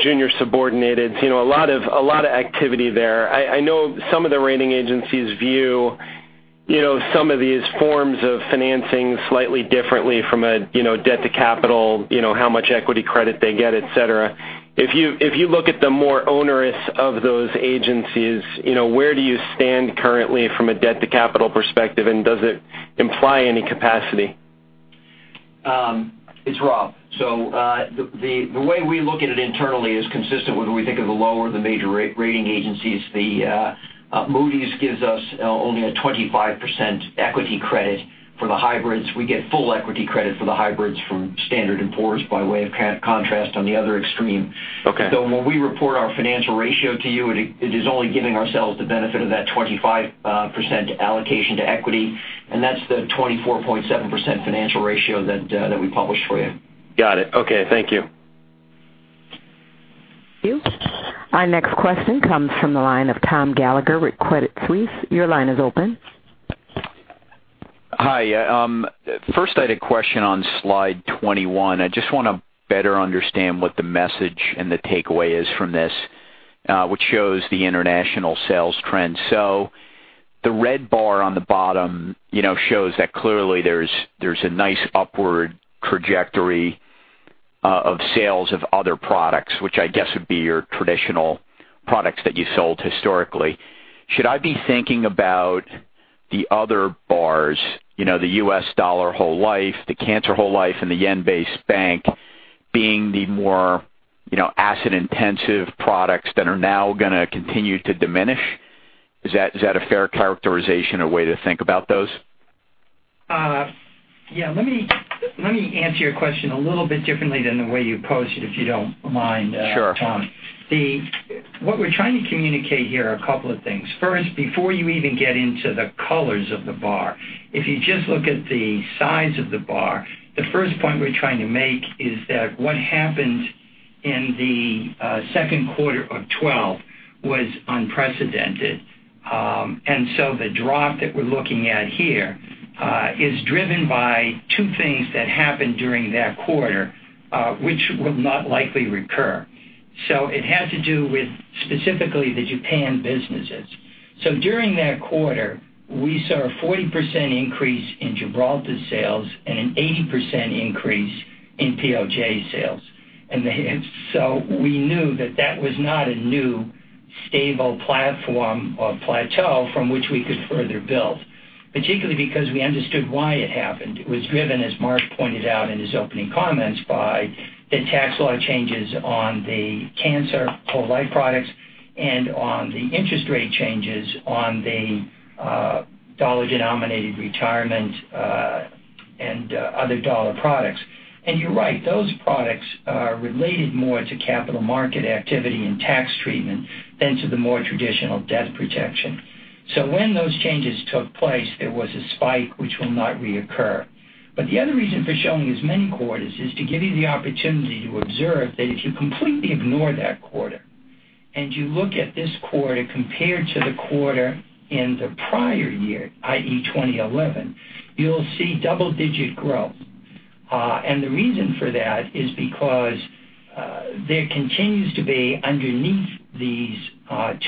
junior subordinated. A lot of activity there. I know some of the rating agencies view some of these forms of financing slightly differently from a debt to capital, how much equity credit they get, et cetera. If you look at the more onerous of those agencies, where do you stand currently from a debt to capital perspective, and does it imply any capacity? It's Rob. The way we look at it internally is consistent with what we think of the lower of the major rating agencies. Moody's gives us only a 25% equity credit for the hybrids. We get full equity credit for the hybrids from Standard & Poor's by way of contrast on the other extreme. Okay. When we report our financial ratio to you, it is only giving ourselves the benefit of that 25% allocation to equity, that's the 24.7% financial ratio that we published for you. Got it. Okay. Thank you. Thank you. Our next question comes from the line of Thomas Gallagher with Credit Suisse. Your line is open. Hi. First, I had a question on slide 21. I just want to better understand what the message and the takeaway is from this, which shows the international sales trend. The red bar on the bottom shows that clearly there's a nice upward trajectory of sales of other products, which I guess would be your traditional products that you sold historically. Should I be thinking about the other bars, the US dollar whole life, the cancer whole life, and the yen-based single premium whole life being the more asset-intensive products that are now going to continue to diminish? Is that a fair characterization or way to think about those? Yeah, let me answer your question a little bit differently than the way you posed it, if you don't mind, Tom. Sure. What we're trying to communicate here are a couple of things. First, before you even get into the colors of the bar, if you just look at the size of the bar, the first point we're trying to make is that what happened in the second quarter of 2012 was unprecedented. The drop that we're looking at here is driven by two things that happened during that quarter, which will not likely recur. It had to do with specifically the Japan businesses. During that quarter, we saw a 40% increase in Gibraltar sales and an 80% increase in POJ sales. We knew that that was not a new stable platform or plateau from which we could further build, particularly because we understood why it happened. It was driven, as Mark pointed out in his opening comments, by the tax law changes on the cancer whole life products and on the interest rate changes on the dollar-denominated retirement and other dollar products. You're right, those products are related more to capital market activity and tax treatment than to the more traditional death protection. When those changes took place, there was a spike, which will not reoccur. The other reason for showing as many quarters is to give you the opportunity to observe that if you completely ignore that quarter and you look at this quarter compared to the quarter in the prior year, i.e., 2011, you'll see double-digit growth. The reason for that is because there continues to be, underneath these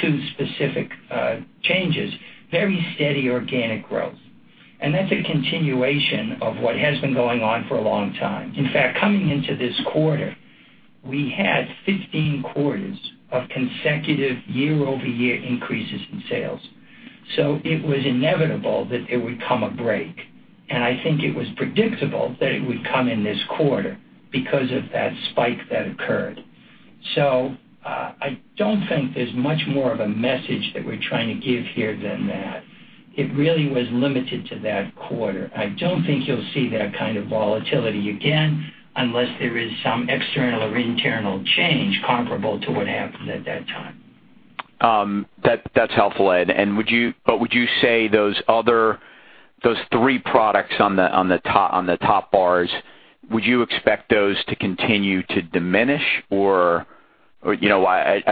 two specific changes, very steady organic growth. That's a continuation of what has been going on for a long time. In fact, coming into this quarter, we had 15 quarters of consecutive year-over-year increases in sales. It was inevitable that it would come a break, and I think it was predictable that it would come in this quarter because of that spike that occurred. I don't think there's much more of a message that we're trying to give here than that. It really was limited to that quarter. I don't think you'll see that kind of volatility again unless there is some external or internal change comparable to what happened at that time. That's helpful, Ed. Would you say those three products on the top bars, would you expect those to continue to diminish? I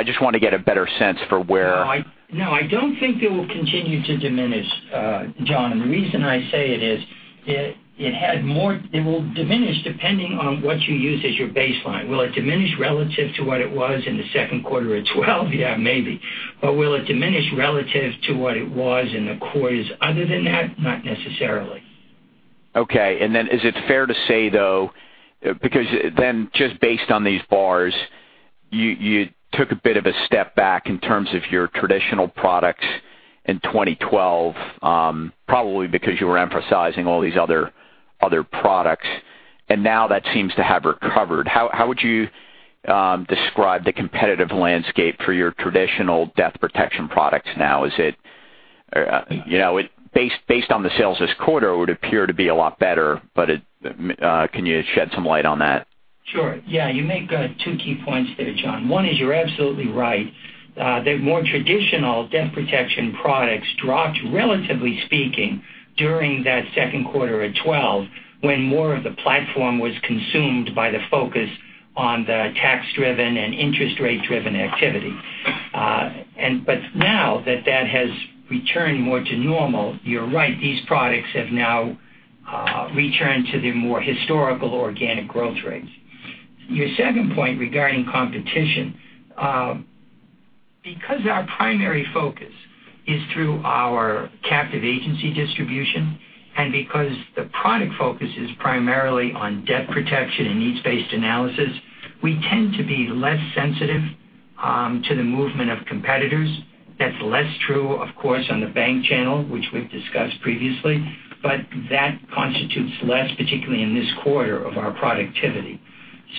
just want to get a better sense for where No, I don't think they will continue to diminish, John. The reason I say it is it will diminish depending on what you use as your baseline. Will it diminish relative to what it was in the second quarter of 2012? Yeah, maybe. Will it diminish relative to what it was in the quarters other than that? Not necessarily. Okay. Is it fair to say, though, because then just based on these bars, you took a bit of a step back in terms of your traditional products in 2012, probably because you were emphasizing all these other products, and now that seems to have recovered. How would you describe the competitive landscape for your traditional death protection products now? Based on the sales this quarter, it would appear to be a lot better, can you shed some light on that? Sure. Yeah, you make two key points there, John. One is you're absolutely right. The more traditional death protection products dropped, relatively speaking, during that second quarter of 2012, when more of the platform was consumed by the focus on the tax-driven and interest rate-driven activity. Now that that has returned more to normal, you're right, these products have now returned to their more historical organic growth rates. Your second point regarding competition, because our primary focus is through our captive agency distribution and because the product focus is primarily on death protection and needs-based analysis, we tend to be less sensitive to the movement of competitors. That's less true, of course, on the bank channel, which we've discussed previously, but that constitutes less, particularly in this quarter, of our productivity.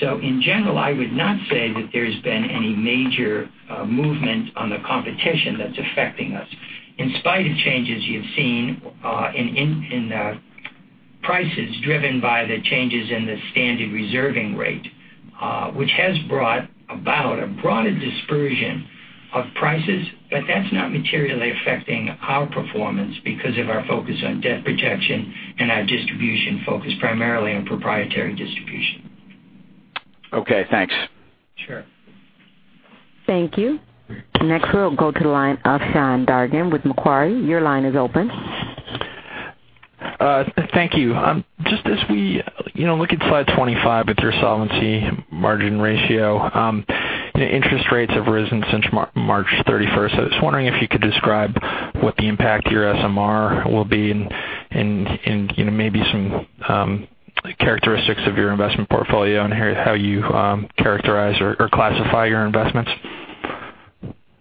In general, I would not say that there's been any major movement on the competition that's affecting us. In spite of changes you've seen in prices driven by the changes in the standard reserving rate, which has brought about a broader dispersion of prices. That's not materially affecting our performance because of our focus on death protection and our distribution focus primarily on proprietary distribution. Okay, thanks. Sure. Thank you. Next, we will go to the line of Sean Dargan with Macquarie. Your line is open. Thank you. Just as we look at slide 25 at your solvency and margin ratio. Interest rates have risen since March 31st. I was wondering if you could describe what the impact to your SMR will be in maybe some characteristics of your investment portfolio, and how you characterize or classify your investments.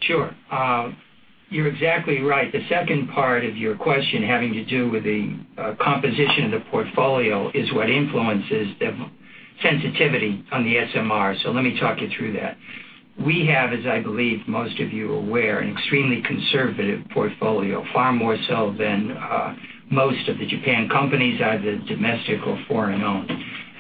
Sure. You are exactly right. The second part of your question, having to do with the composition of the portfolio, is what influences the sensitivity on the SMR. Let me talk you through that. We have, as I believe most of you are aware, an extremely conservative portfolio, far more so than most of the Japan companies, either domestic or foreign-owned.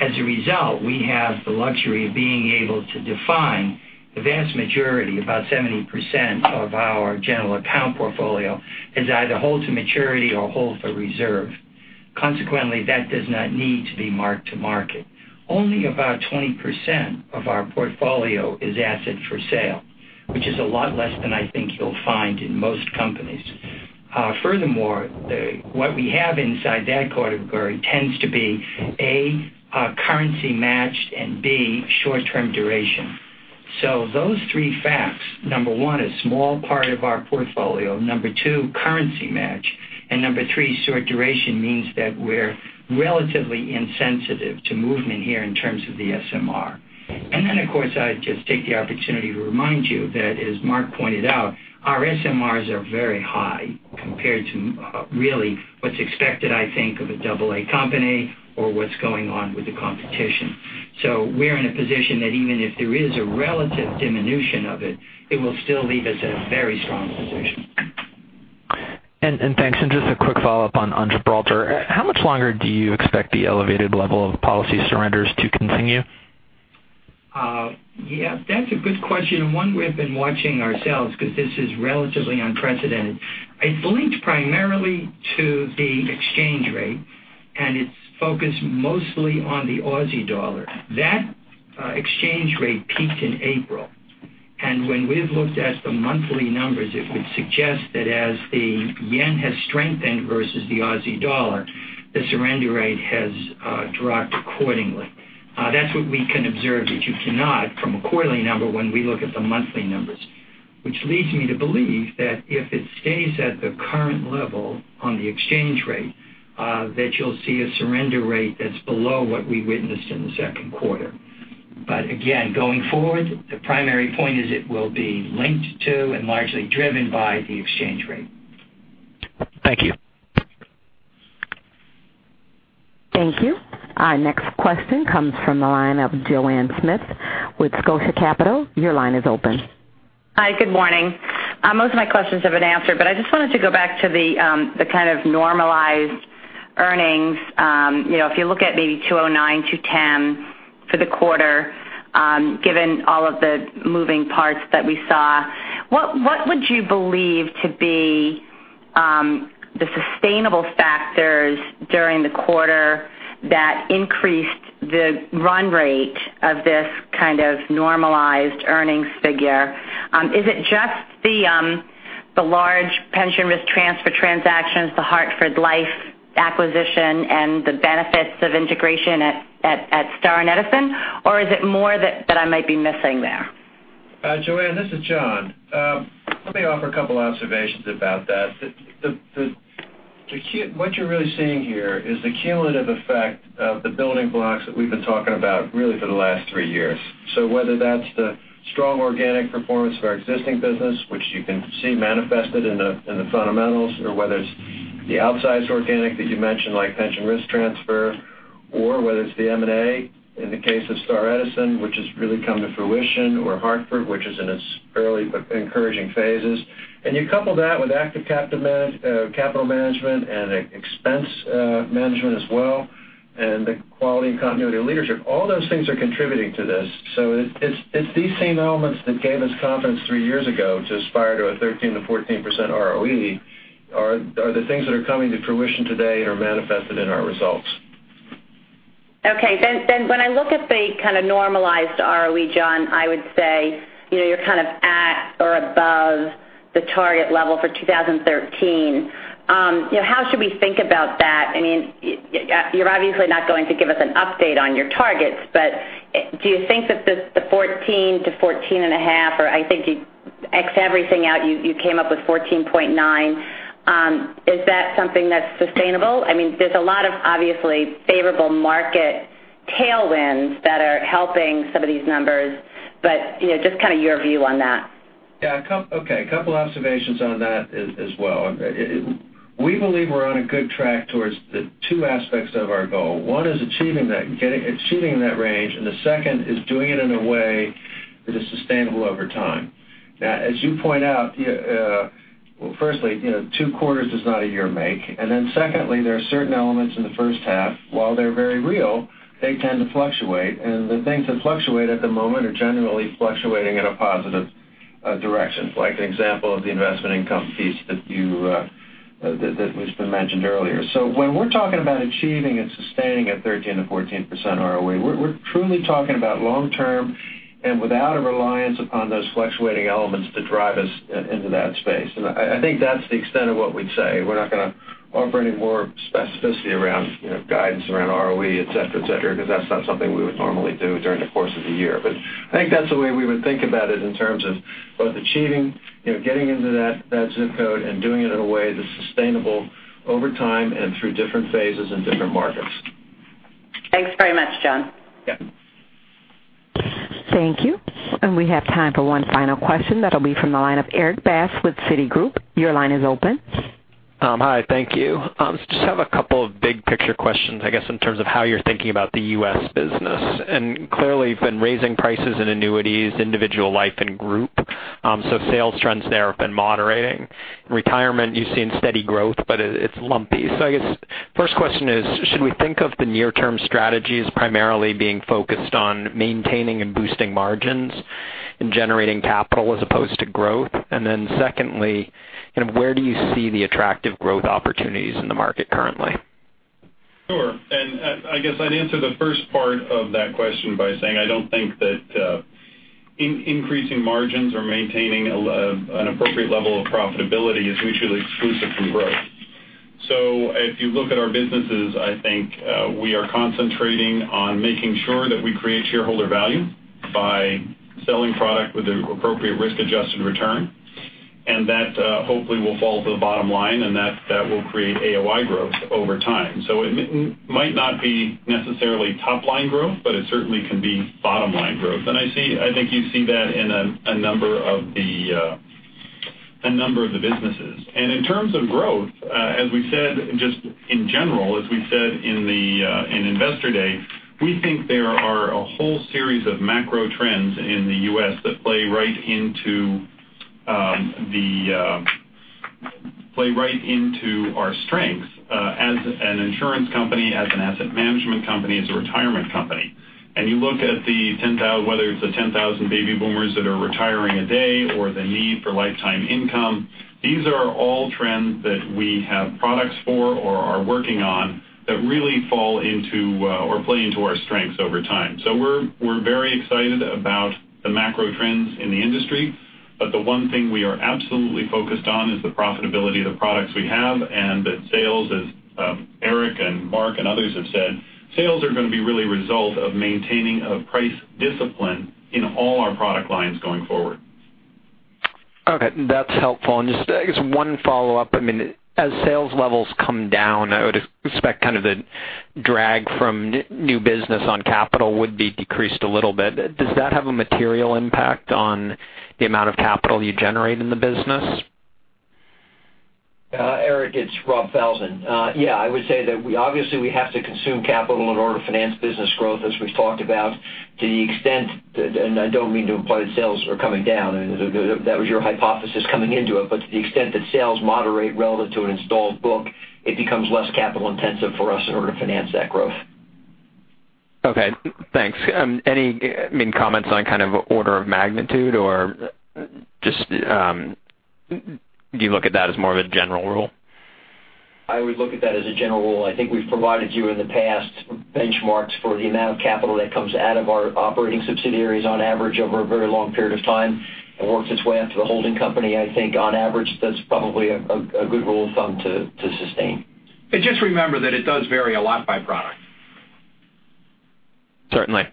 As a result, we have the luxury of being able to define the vast majority, about 70%, of our general account portfolio as either hold to maturity or hold for reserve. Consequently, that does not need to be marked to market. Only about 20% of our portfolio is available for sale, which is a lot less than I think you will find in most companies. Furthermore, what we have inside that category tends to be, A, currency matched, and B, short-term duration. Those three facts, number 1, a small part of our portfolio, number 2, currency match, and number 3, short duration, means that we're relatively insensitive to movement here in terms of the SMR. Then, of course, I'd just take the opportunity to remind you that, as Mark pointed out, our SMRs are very high compared to really what's expected, I think, of an AA company or what's going on with the competition. So we're in a position that even if there is a relative diminution of it will still leave us in a very strong position. Thanks. Just a quick follow-up on Gibraltar. How much longer do you expect the elevated level of policy surrenders to continue? That's a good question, and one we've been watching ourselves because this is relatively unprecedented. It's linked primarily to the exchange rate, and it's focused mostly on the AUD. That exchange rate peaked in April, and when we've looked at the monthly numbers, it would suggest that as the JPY has strengthened versus the AUD, the surrender rate has dropped accordingly. That's what we can observe that you cannot from a quarterly number when we look at the monthly numbers, which leads me to believe that if it stays at the current level on the exchange rate, that you'll see a surrender rate that's below what we witnessed in the second quarter. Again, going forward, the primary point is it will be linked to and largely driven by the exchange rate. Thank you. Thank you. Our next question comes from the line of Joanne Smith with Scotia Capital. Your line is open. Hi, good morning. Most of my questions have been answered. I just wanted to go back to the kind of normalized earnings. If you look at maybe 209, 210 for the quarter, given all of the moving parts that we saw, what would you believe to be the sustainable factors during the quarter that increased the run rate of this kind of normalized earnings figure? Is it just the large pension risk transfer transactions, the Hartford Life acquisition, and the benefits of integration at Star and Edison? Is it more that I might be missing there? Yaron, this is John. Let me offer a couple observations about that. What you're really seeing here is the cumulative effect of the building blocks that we've been talking about really for the last three years. Whether that's the strong organic performance of our existing business, which you can see manifested in the fundamentals, or whether it's the outsized organic that you mentioned, like pension risk transfer, or whether it's the M&A in the case of Star and Edison, which has really come to fruition, or Hartford, which is in its early but encouraging phases. You couple that with active capital management and expense management as well, and the quality and continuity of leadership. All those things are contributing to this. It's these same elements that gave us confidence three years ago to aspire to a 13%-14% ROE are the things that are coming to fruition today and are manifested in our results. Okay, when I look at the kind of normalized ROE, John, I would say you're kind of at or above the target level for 2013. How should we think about that? You're obviously not going to give us an update on your targets, but do you think that the 14%-14.5%, or I think you X everything out, you came up with 14.9%. Is that something that's sustainable? There's a lot of obviously favorable market tailwinds that are helping some of these numbers, but just kind of your view on that. Yeah. Okay. A couple observations on that as well. We believe we're on a good track towards the two aspects of our goal. One is achieving that range, and the second is doing it in a way that is sustainable over time. As you point out- Well, firstly, two quarters does not a year make. Secondly, there are certain elements in the first half. While they're very real, they tend to fluctuate, and the things that fluctuate at the moment are generally fluctuating in a positive direction. Like an example of the investment income piece that was mentioned earlier. When we're talking about achieving and sustaining a 13%-14% ROE, we're truly talking about long-term and without a reliance upon those fluctuating elements to drive us into that space. I think that's the extent of what we'd say. We're not going to offer any more specificity around guidance around ROE, et cetera, because that's not something we would normally do during the course of the year. I think that's the way we would think about it in terms of both achieving, getting into that ZIP code and doing it in a way that's sustainable over time and through different phases and different markets. Thanks very much, John. Yeah. Thank you. We have time for one final question. That'll be from the line of Erik Bass with Citigroup. Your line is open. Hi, thank you. Just have a couple of big-picture questions, I guess, in terms of how you're thinking about the U.S. business. Clearly, you've been raising prices in annuities, individual life and group. Sales trends there have been moderating. Retirement, you've seen steady growth, but it's lumpy. I guess first question is, should we think of the near-term strategy as primarily being focused on maintaining and boosting margins and generating capital as opposed to growth? Secondly, where do you see the attractive growth opportunities in the market currently? Sure. I guess I'd answer the first part of that question by saying I don't think that increasing margins or maintaining an appropriate level of profitability is mutually exclusive from growth. If you look at our businesses, I think we are concentrating on making sure that we create shareholder value by selling product with an appropriate risk-adjusted return. That hopefully will fall to the bottom line, and that will create AOI growth over time. It might not be necessarily top-line growth, but it certainly can be bottom-line growth. I think you see that in a number of the businesses. In terms of growth, as we said, just in general, as we said in Investor Day, we think there are a whole series of macro trends in the U.S. that play right into our strengths as an insurance company, as an asset management company, as a retirement company. You look at whether it's the 10,000 baby boomers that are retiring a day or the need for lifetime income, these are all trends that we have products for or are working on that really fall into or play into our strengths over time. We're very excited about the macro trends in the industry. The one thing we are absolutely focused on is the profitability of the products we have and that sales, as Eric and Mark and others have said, sales are going to be really a result of maintaining a price discipline in all our product lines going forward. Okay. That's helpful. Just, I guess one follow-up. As sales levels come down, I would expect kind of the drag from new business on capital would be decreased a little bit. Does that have a material impact on the amount of capital you generate in the business? Eric, it's Robert Falzon. I would say that obviously we have to consume capital in order to finance business growth, as we've talked about. To the extent, and I don't mean to imply that sales are coming down, that was your hypothesis coming into it, but to the extent that sales moderate relative to an installed book, it becomes less capital intensive for us in order to finance that growth. Okay, thanks. Any comments on kind of order of magnitude, or just do you look at that as more of a general rule? I would look at that as a general rule. I think we've provided you in the past benchmarks for the amount of capital that comes out of our operating subsidiaries on average over a very long period of time and works its way up to the holding company. I think on average, that's probably a good rule of thumb to sustain. Just remember that it does vary a lot by product. Certainly.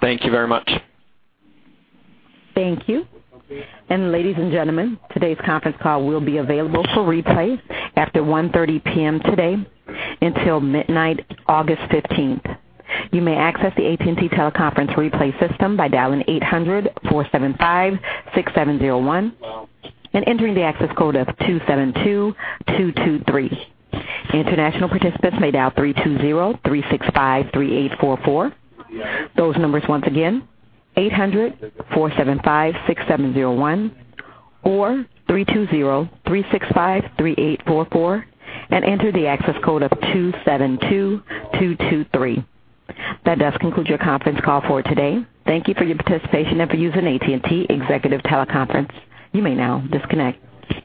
Thank you very much. Thank you. Ladies and gentlemen, today's conference call will be available for replay after 1:30 P.M. today until midnight August 15th. You may access the AT&T teleconference replay system by dialing 800-475-6701 and entering the access code of 272223. International participants may dial 320-365-3844. Those numbers once again, 800-475-6701 or 320-365-3844, and enter the access code of 272223. That does conclude your conference call for today. Thank you for your participation and for using AT&T Executive Teleconference. You may now disconnect.